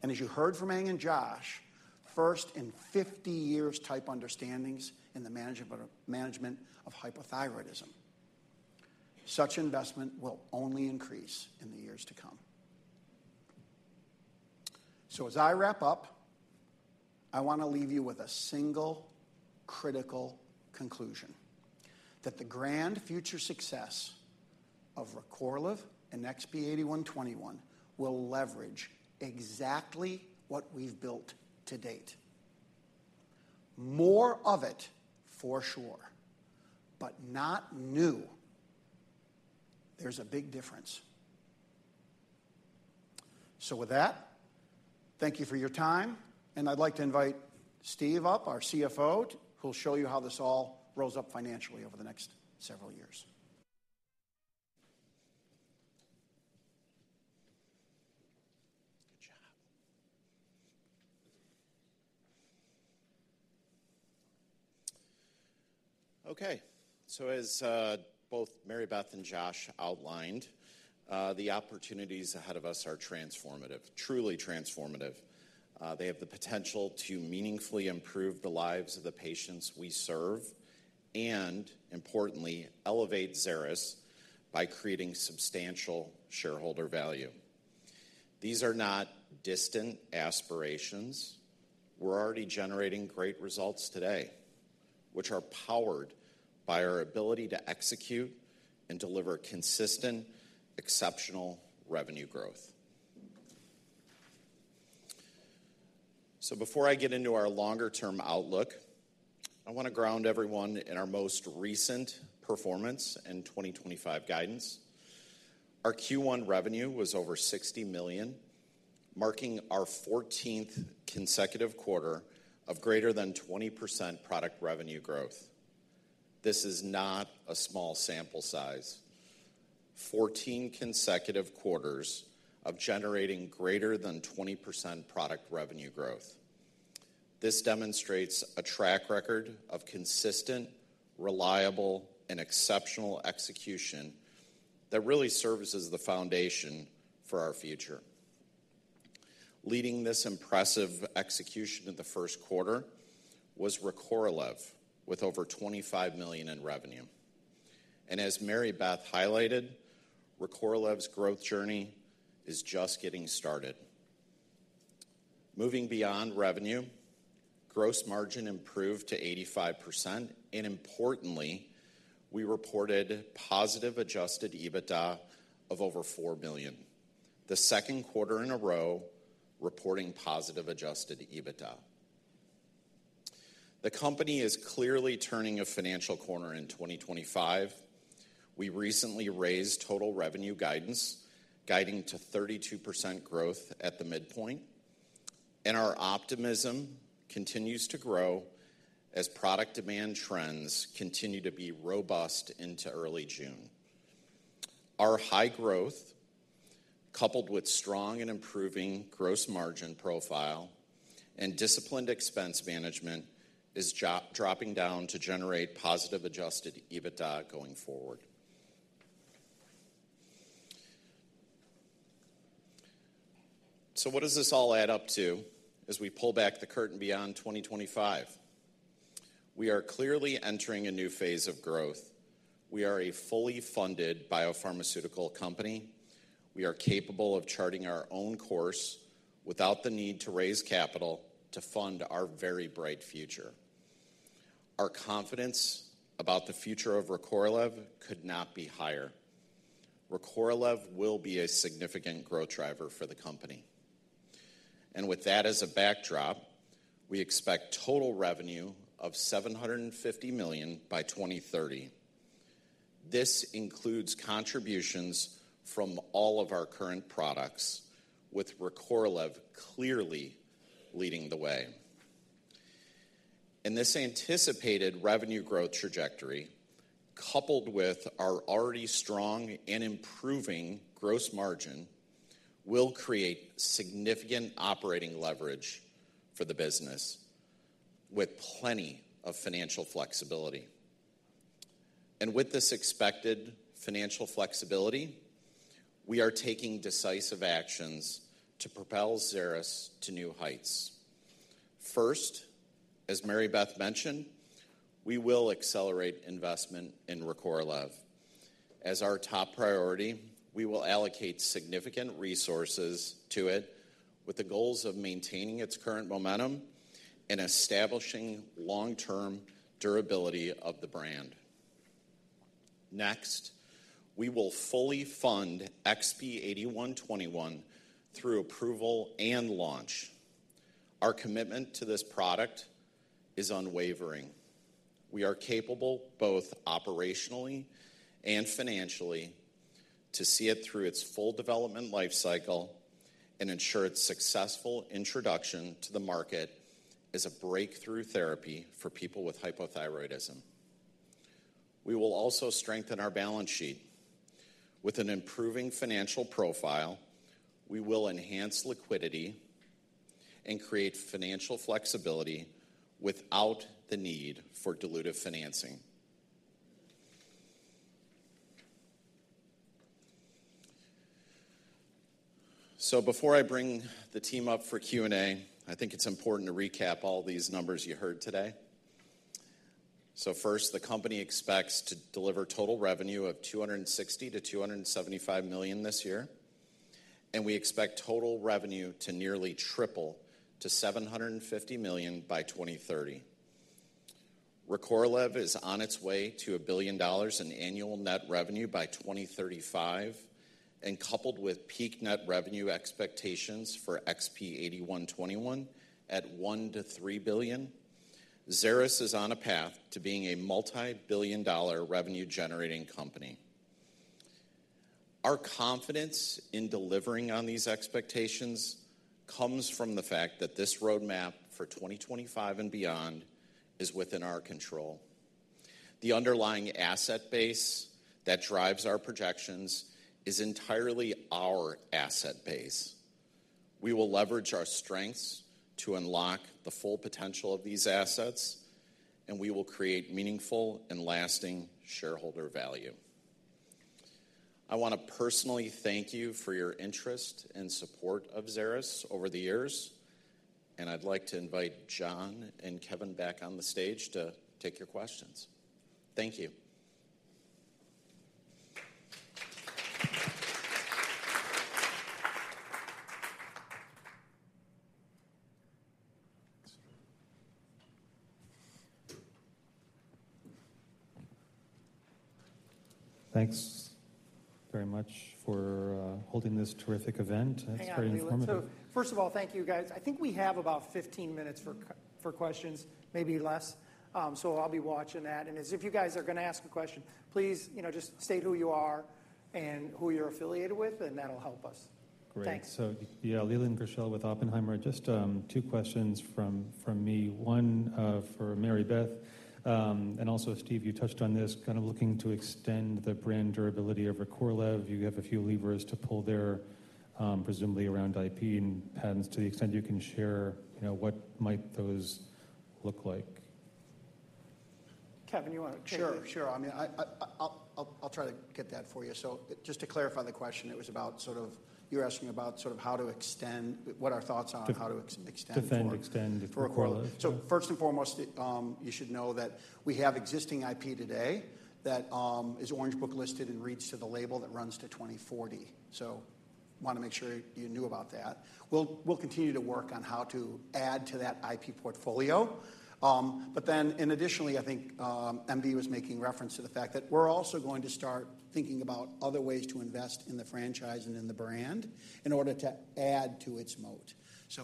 As you heard from Eng and Josh, first in 50 years-type understandings in the management of hypothyroidism. Such investment will only increase in the years to come. As I wrap up, I want to leave you with a single critical conclusion: that the grand future success of Recorlev and XP-8121 will leverage exactly what we've built to date. More of it, for sure, but not new. There's a big difference. Thank you for your time. I'd like to invite Steve up, our CFO, who'll show you how this all rolls up financially over the next several years. Good job. Okay.
As both Mary Beth and Josh outlined, the opportunities ahead of us are transformative, truly transformative. They have the potential to meaningfully improve the lives of the patients we serve and, importantly, elevate Xeris by creating substantial shareholder value. These are not distant aspirations. We are already generating great results today, which are powered by our ability to execute and deliver consistent, exceptional revenue growth. Before I get into our longer-term outlook, I want to ground everyone in our most recent performance and 2025 guidance. Our Q1 revenue was over $60 million, marking our 14th consecutive quarter of greater than 20% product revenue growth. This is not a small sample size: 14 consecutive quarters of generating greater than 20% product revenue growth. This demonstrates a track record of consistent, reliable, and exceptional execution that really serves as the foundation for our future. Leading this impressive execution in the first quarter was Recorlev with over $25 million in revenue. As Mary Beth highlighted, Recorlev's growth journey is just getting started. Moving beyond revenue, gross margin improved to 85%. Importantly, we reported positive adjusted EBITDA of over $4 million, the second quarter in a row reporting positive adjusted EBITDA. The company is clearly turning a financial corner in 2025. We recently raised total revenue guidance, guiding to 32% growth at the midpoint. Our optimism continues to grow as product demand trends continue to be robust into early June. Our high growth, coupled with strong and improving gross margin profile and disciplined expense management, is dropping down to generate positive adjusted EBITDA going forward. What does this all add up to as we pull back the curtain beyond 2025? We are clearly entering a new phase of growth. We are a fully funded biopharmaceutical company. We are capable of charting our own course without the need to raise capital to fund our very bright future. Our confidence about the future of Recorlev could not be higher. Recorlev will be a significant growth driver for the company. With that as a backdrop, we expect total revenue of $750 million by 2030. This includes contributions from all of our current products, with Recorlev clearly leading the way. This anticipated revenue growth trajectory, coupled with our already strong and improving gross margin, will create significant operating leverage for the business with plenty of financial flexibility. With this expected financial flexibility, we are taking decisive actions to propel Xeris to new heights. First, as Mary Beth mentioned, we will accelerate investment in Recorlev. As our top priority, we will allocate significant resources to it with the goals of maintaining its current momentum and establishing long-term durability of the brand. Next, we will fully fund XP-8121 through approval and launch. Our commitment to this product is unwavering. We are capable both operationally and financially to see it through its full development life cycle and ensure its successful introduction to the market as a breakthrough therapy for people with hypothyroidism. We will also strengthen our balance sheet with an improving financial profile. We will enhance liquidity and create financial flexibility without the need for dilutive financing. Before I bring the team up for Q&A, I think it is important to recap all these numbers you heard today. First, the company expects to deliver total revenue of $260 million-$275 million this year. We expect total revenue to nearly triple to $750 million by 2030. Recorlev is on its way to a billion dollars in annual net revenue by 2035, and coupled with peak net revenue expectations for XP-8121 at $1 billion-$3 billion, Xeris is on a path to being a multi-billion dollar revenue-generating company. Our confidence in delivering on these expectations comes from the fact that this roadmap for 2025 and beyond is within our control. The underlying asset base that drives our projections is entirely our asset base. We will leverage our strengths to unlock the full potential of these assets, and we will create meaningful and lasting shareholder value. I want to personally thank you for your interest and support of Xeris over the years. I would like to invite John and Kevin back on the stage to take your questions. Thank you.
Thanks very much for holding this terrific event. That's very informative.
Thank you. First of all, thank you, guys. I think we have about 15 minutes for questions, maybe less. I will be watching that. If you guys are going to ask a question, please just state who you are and who you are affiliated with, and that will help us.
Great. Yeah, Leland Gershell with Oppenheimer. Just two questions from me. One for Mary Beth and also Steve, you touched on this, kind of looking to extend the brand durability of Recorlev. You have a few levers to pull there, presumably around IP and patents. To the extent you can share, what might those look like?
Kevin, you want to take that?
Sure. Sure. I mean, I'll try to get that for you. Just to clarify the question, it was about sort of you were asking about sort of how to extend, what our thoughts are on how to extend Recorlev.
Defend, extend Recorlev.
First and foremost, you should know that we have existing IP today that is Orange Book listed and reads to the label that runs to 2040. I want to make sure you knew about that. We'll continue to work on how to add to that IP portfolio. Additionally, I think MV was making reference to the fact that we're also going to start thinking about other ways to invest in the franchise and in the brand in order to add to its moat.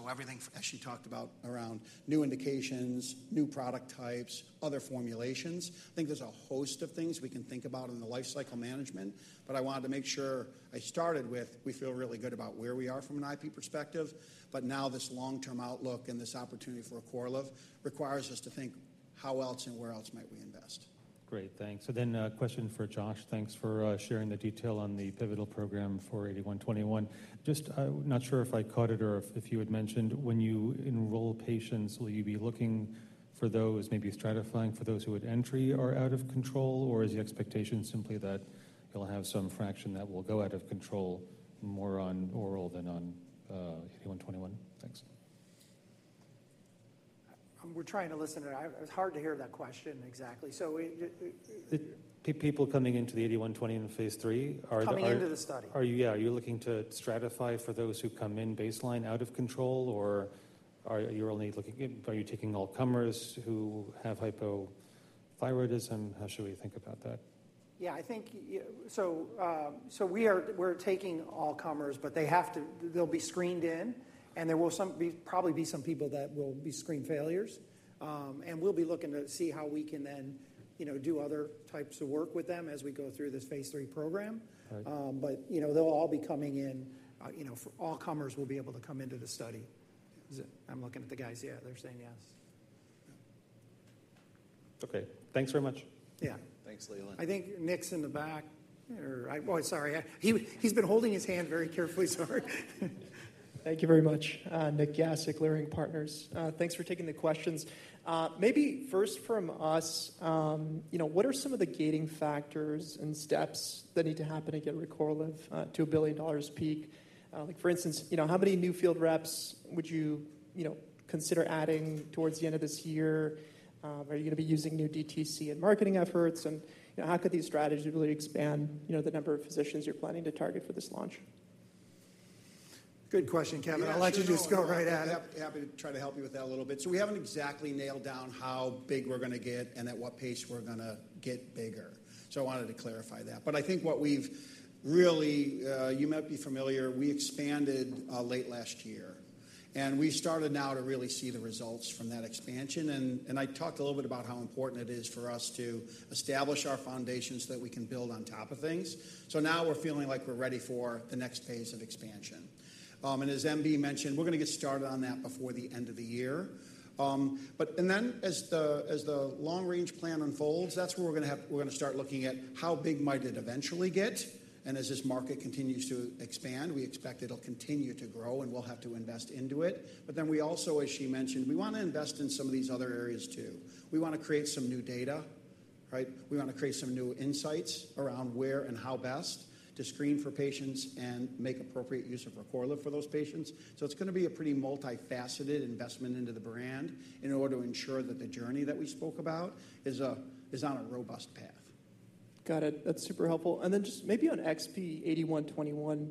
Everything, as she talked about, around new indications, new product types, other formulations. I think there's a host of things we can think about in the lifecycle management. I wanted to make sure I started with, we feel really good about where we are from an IP perspective. Now this long-term outlook and this opportunity for Recorlev requires us to think, how else and where else might we invest?
Great. Thanks. A question for Josh. Thanks for sharing the detail on the pivotal program for 8121. Just not sure if I caught it or if you had mentioned when you enroll patients, will you be looking for those, maybe stratifying for those who would enter in or out of control? Or is the expectation simply that you'll have some fraction that will go out of control more on oral than on 8121? Thanks.
We're trying to listen to that. It was hard to hear that question exactly. People coming into the 8121 in phase III are the ones. Coming into the study.
Yeah. Are you looking to stratify for those who come in baseline out of control? Or are you only looking? Are you taking all comers who have hypothyroidism? How should we think about that?
Yeah. I think so we're taking all comers, but they have to, they'll be screened in. There will probably be some people that will be screen failures. We'll be looking to see how we can then do other types of work with them as we go through this phase III program. They'll all be coming in. All comers will be able to come into the study. I'm looking at the guys. Yeah, they're saying yes.
Okay. Thanks very much.
Yeah.
Thanks, Leland.
I think Nik's in the back. Sorry. He's been holding his hand very carefully. Sorry.
Thank you very much. Nik Gasic, Sagard Partners. Thanks for taking the questions. Maybe first from us, what are some of the gating factors and steps that need to happen to get Recorlev to a billion dollars peak? For instance, how many new field reps would you consider adding towards the end of this year? Are you going to be using new DTC and marketing efforts? How could these strategies really expand the number of physicians you're planning to target for this launch?
Good question, Kevin. I'll let you just go right at it. Happy to try to help you with that a little bit. We haven't exactly nailed down how big we're going to get and at what pace we're going to get bigger. I wanted to clarify that. I think what we've really—you might be familiar—we expanded late last year. We started now to really see the results from that expansion. I talked a little bit about how important it is for us to establish our foundations so that we can build on top of things. Now we're feeling like we're ready for the next phase of expansion. As MV mentioned, we're going to get started on that before the end of the year. As the long-range plan unfolds, that is where we are going to start looking at how big might it eventually get. As this market continues to expand, we expect it will continue to grow and we will have to invest into it. As she mentioned, we want to invest in some of these other areas too. We want to create some new data. We want to create some new insights around where and how best to screen for patients and make appropriate use of Recorlev for those patients. It is going to be a pretty multifaceted investment into the brand in order to ensure that the journey that we spoke about is on a robust path.
Got it. That's super helpful. And then just maybe on XP-8121,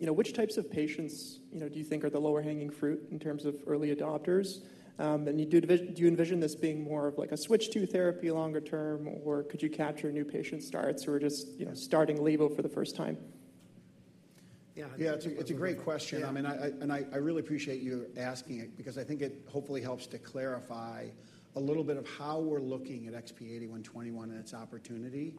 which types of patients do you think are the lower-hanging fruit in terms of early adopters? And do you envision this being more of like a switch to therapy longer term, or could you capture new patient starts who are just starting levothyroxine for the first time?
Yeah. It's a great question. I mean, and I really appreciate you asking it because I think it hopefully helps to clarify a little bit of how we're looking at XP-8121 and its opportunity.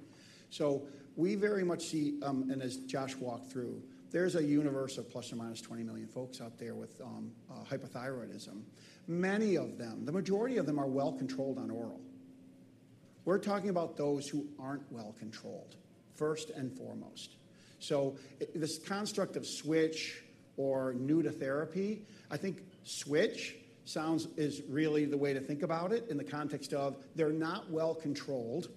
We very much see, and as Josh walked through, there's a universe of plus or minus 20 million folks out there with hypothyroidism. Many of them, the majority of them, are well controlled on oral. We're talking about those who aren't well controlled first and foremost. This construct of switch or new to therapy, I think switch is really the way to think about it in the context of they're not well controlled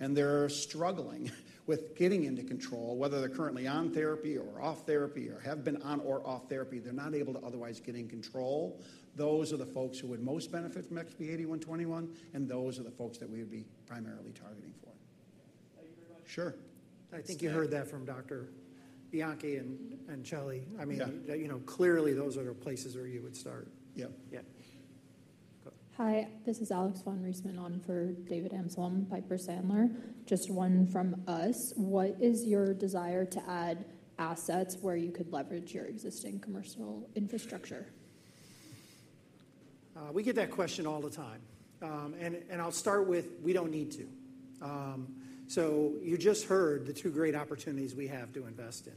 and they're struggling with getting into control, whether they're currently on therapy or off therapy or have been on or off therapy, they're not able to otherwise get in control. Those are the folks who would most benefit from XP-8121, and those are the folks that we would be primarily targeting for. Sure. I think you heard that from Dr. Bianco and Celi. I mean, clearly those are the places where you would start.
Yeah.
Yeah.
Hi. This is Alex von Reisemann on for David Amsellem, Piper Sandler. Just one from us. What is your desire to add assets where you could leverage your existing commercial infrastructure?
We get that question all the time. I'll start with we don't need to. You just heard the two great opportunities we have to invest in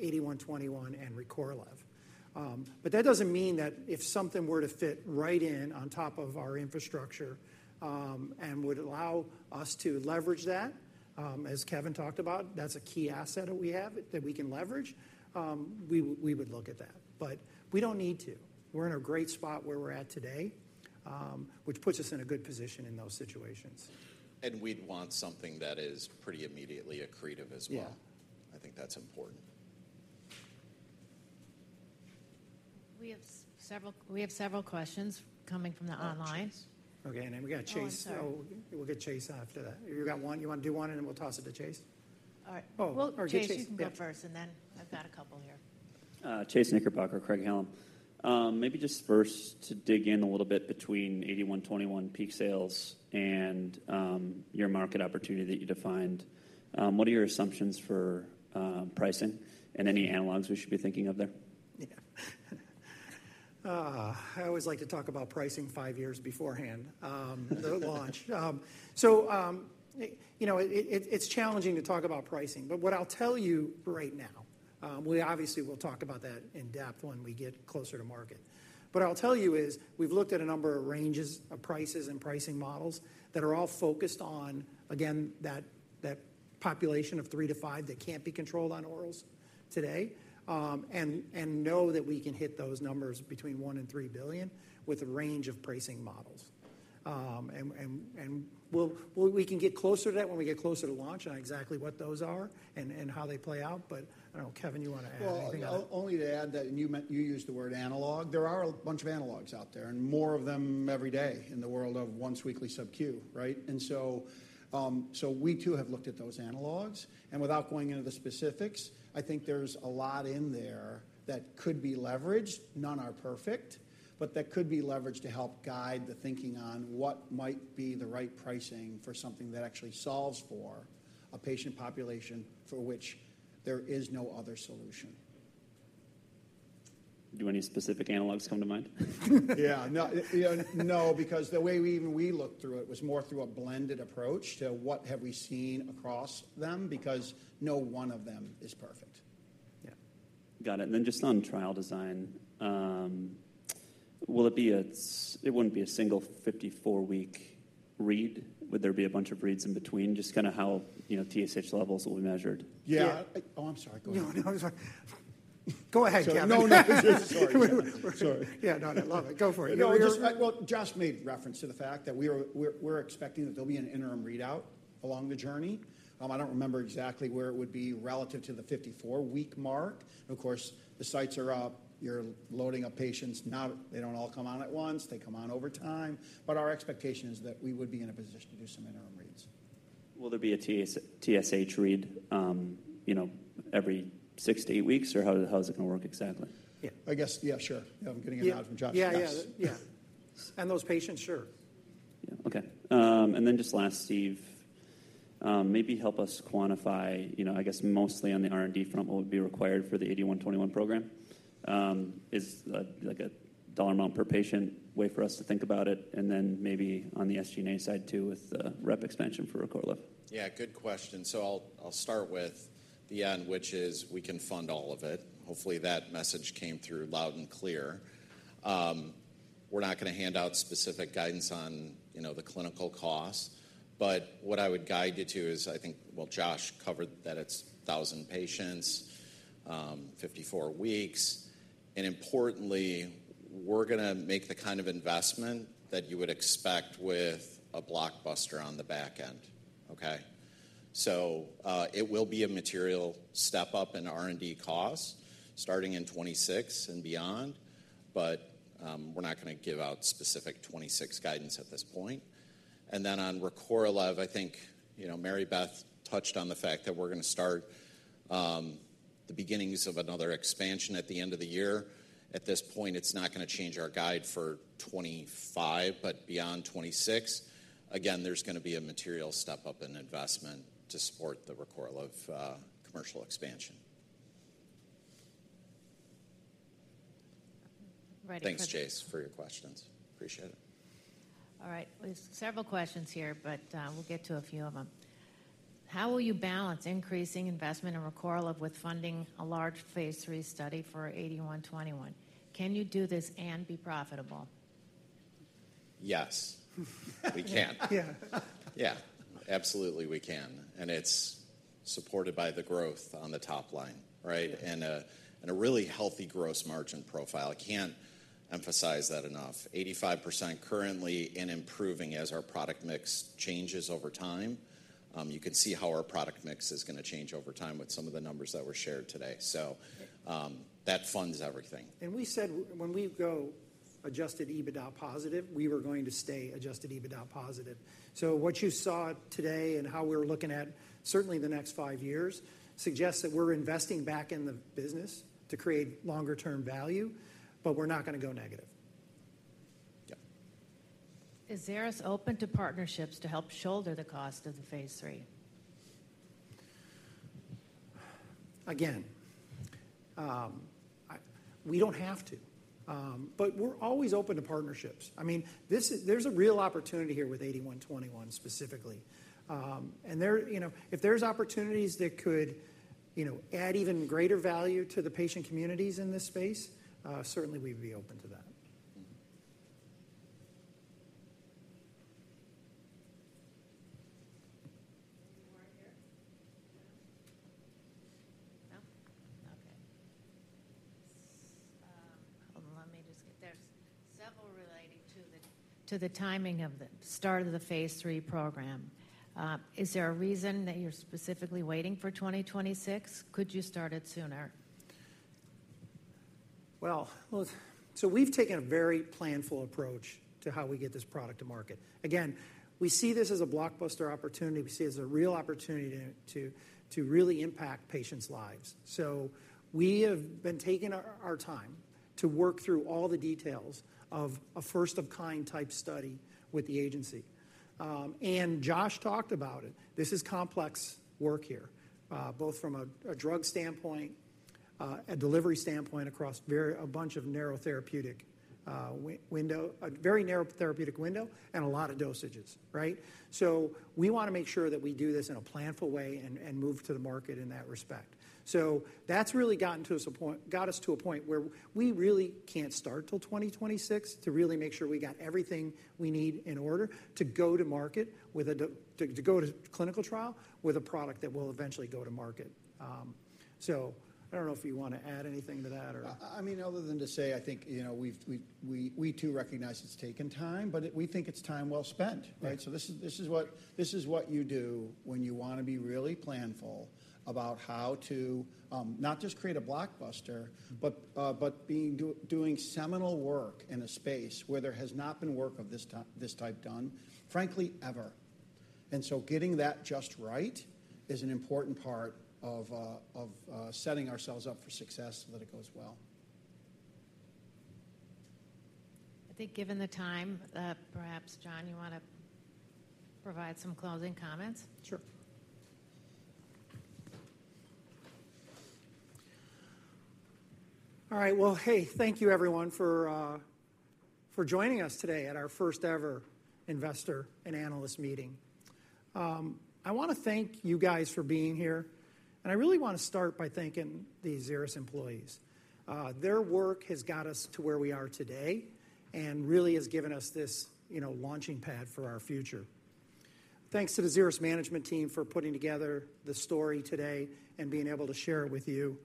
8121 and Recorlev. That doesn't mean that if something were to fit right in on top of our infrastructure and would allow us to leverage that, as Kevin talked about, that's a key asset that we have that we can leverage, we would look at that. We don't need to. We're in a great spot where we're at today, which puts us in a good position in those situations. We'd want something that is pretty immediately accretive as well. I think that's important.
We have several questions coming from the online.
Okay. And then we got Chase. We'll get Chase after that. You got one? You want to do one? And then we'll toss it to Chase.
All right. Chase, you can go first. I have a couple here.
Chase Knickerbocker, Craig-Hallum. Maybe just first to dig in a little bit between 8121 peak sales and your market opportunity that you defined. What are your assumptions for pricing and any analogs we should be thinking of there?
I always like to talk about pricing five years beforehand, the launch. So it's challenging to talk about pricing. But what I'll tell you right now, we obviously will talk about that in depth when we get closer to market. But what I'll tell you is we've looked at a number of ranges of prices and pricing models that are all focused on, again, that population of three to five that can't be controlled on orals today and know that we can hit those numbers between $1 billion and $3 billion with a range of pricing models. And we can get closer to that when we get closer to launch on exactly what those are and how they play out. But I don't know, Kevin, you want to add anything else?
Only to add that you used the word analog. There are a bunch of analogs out there and more of them every day in the world of once weekly sub-queue. We too have looked at those analogs. Without going into the specifics, I think there is a lot in there that could be leveraged. None are perfect, but that could be leveraged to help guide the thinking on what might be the right pricing for something that actually solves for a patient population for which there is no other solution.
Do any specific analogs come to mind?
Yeah. No, because the way even we looked through it was more through a blended approach to what have we seen across them because no one of them is perfect.
Yeah. Got it. And then just on trial design, will it be a it would not be a single 54-week read? Would there be a bunch of reads in between? Just kind of how TSH levels will be measured.
Yeah. Oh, I'm sorry. Go ahead.
No, no. Go ahead, Kevin.
No, no. Sorry.
Sorry.
Yeah. No, I love it. Go for it. Josh made reference to the fact that we're expecting that there'll be an interim readout along the journey. I don't remember exactly where it would be relative to the 54-week mark. Of course, the sites are up. You're loading up patients. They don't all come on at once. They come on over time. Our expectation is that we would be in a position to do some interim reads.
Will there be a TSH read every six to eight weeks? Or how is it going to work exactly?
Yeah. I guess, yeah, sure. I'm getting a nod from Josh's question.
Yeah, yeah. Those patients, sure.
Yeah. Okay. And then just last, Steve, maybe help us quantify, I guess, mostly on the R&D front, what would be required for the 8121 program. Is a dollar amount per patient a way for us to think about it? And then maybe on the SG&A side too with the rep expansion for Recorlev.
Yeah. Good question. I'll start with the end, which is we can fund all of it. Hopefully, that message came through loud and clear. We're not going to hand out specific guidance on the clinical cost. What I would guide you to is I think, Josh covered that it's 1,000 patients, 54 weeks. Importantly, we're going to make the kind of investment that you would expect with a blockbuster on the back end. It will be a material step up in R&D cost starting in 2026 and beyond. We're not going to give out specific 2026 guidance at this point. On Recorlev, I think Mary Beth touched on the fact that we're going to start the beginnings of another expansion at the end of the year.
At this point, it's not going to change our guide for 2025, but beyond 2026, again, there's going to be a material step up in investment to support the Recorlev commercial expansion.
Right.
Thanks, Chase, for your questions. Appreciate it.
All right. Several questions here, but we'll get to a few of them. How will you balance increasing investment in Recorlev with funding a large phase III study for 8121? Can you do this and be profitable?
Yes. We can. Yeah. Absolutely, we can. It is supported by the growth on the top line, right? And a really healthy gross margin profile. I cannot emphasize that enough. 85% currently and improving as our product mix changes over time. You can see how our product mix is going to change over time with some of the numbers that were shared today. That funds everything.
We said when we go adjusted EBITDA positive, we were going to stay adjusted EBITDA positive. What you saw today and how we're looking at certainly the next five years suggests that we're investing back in the business to create longer-term value, but we're not going to go negative.
Yeah.
Is Xeris open to partnerships to help shoulder the cost of the phase III?
Again, we do not have to. We are always open to partnerships. I mean, there is a real opportunity here with 8121 specifically. If there are opportunities that could add even greater value to the patient communities in this space, certainly we would be open to that.
Okay. Let me just get there. Several relating to the timing of the start of the phase III program. Is there a reason that you're specifically waiting for 2026? Could you start it sooner?
We have taken a very planful approach to how we get this product to market. Again, we see this as a blockbuster opportunity. We see it as a real opportunity to really impact patients' lives. We have been taking our time to work through all the details of a first-of-kind type study with the agency. Josh talked about it. This is complex work here, both from a drug standpoint, a delivery standpoint across a bunch of narrow therapeutic window, a very narrow therapeutic window, and a lot of dosages, right? We want to make sure that we do this in a planful way and move to the market in that respect. That has really gotten us to a point where we really cannot start until 2026 to really make sure we have everything we need in order to go to market, to go to clinical trial with a product that will eventually go to market. I do not know if you want to add anything to that or. I mean, other than to say, I think we too recognize it's taken time, but we think it's time well spent, right? This is what you do when you want to be really planful about how to not just create a blockbuster, but being doing seminal work in a space where there has not been work of this type done, frankly, ever. Getting that just right is an important part of setting ourselves up for success so that it goes well.
I think given the time, perhaps, John, you want to provide some closing comments?
Sure. All right. Hey, thank you, everyone, for joining us today at our first-ever investor and analyst meeting. I want to thank you guys for being here. I really want to start by thanking the Xeris employees. Their work has got us to where we are today and really has given us this launching pad for our future. Thanks to the Xeris management team for putting together the story today and being able to share it with you.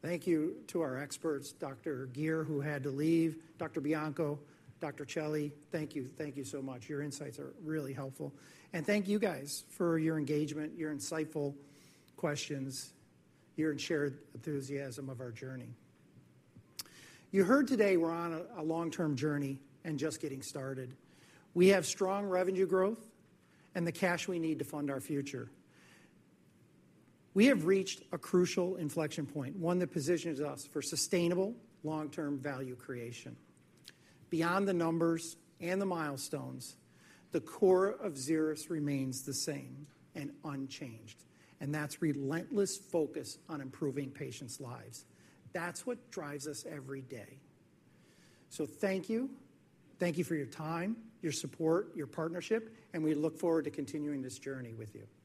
Thank you to our experts, Dr. Geer, who had to leave, Dr. Bianco, Dr. Celi. Thank you. Thank you so much. Your insights are really helpful. Thank you guys for your engagement, your insightful questions, your shared enthusiasm of our journey. You heard today we are on a long-term journey and just getting started. We have strong revenue growth and the cash we need to fund our future. We have reached a crucial inflection point, one that positions us for sustainable long-term value creation. Beyond the numbers and the milestones, the core of Xeris remains the same and unchanged. That is relentless focus on improving patients' lives. That is what drives us every day. Thank you. Thank you for your time, your support, your partnership. We look forward to continuing this journey with you. Thanks.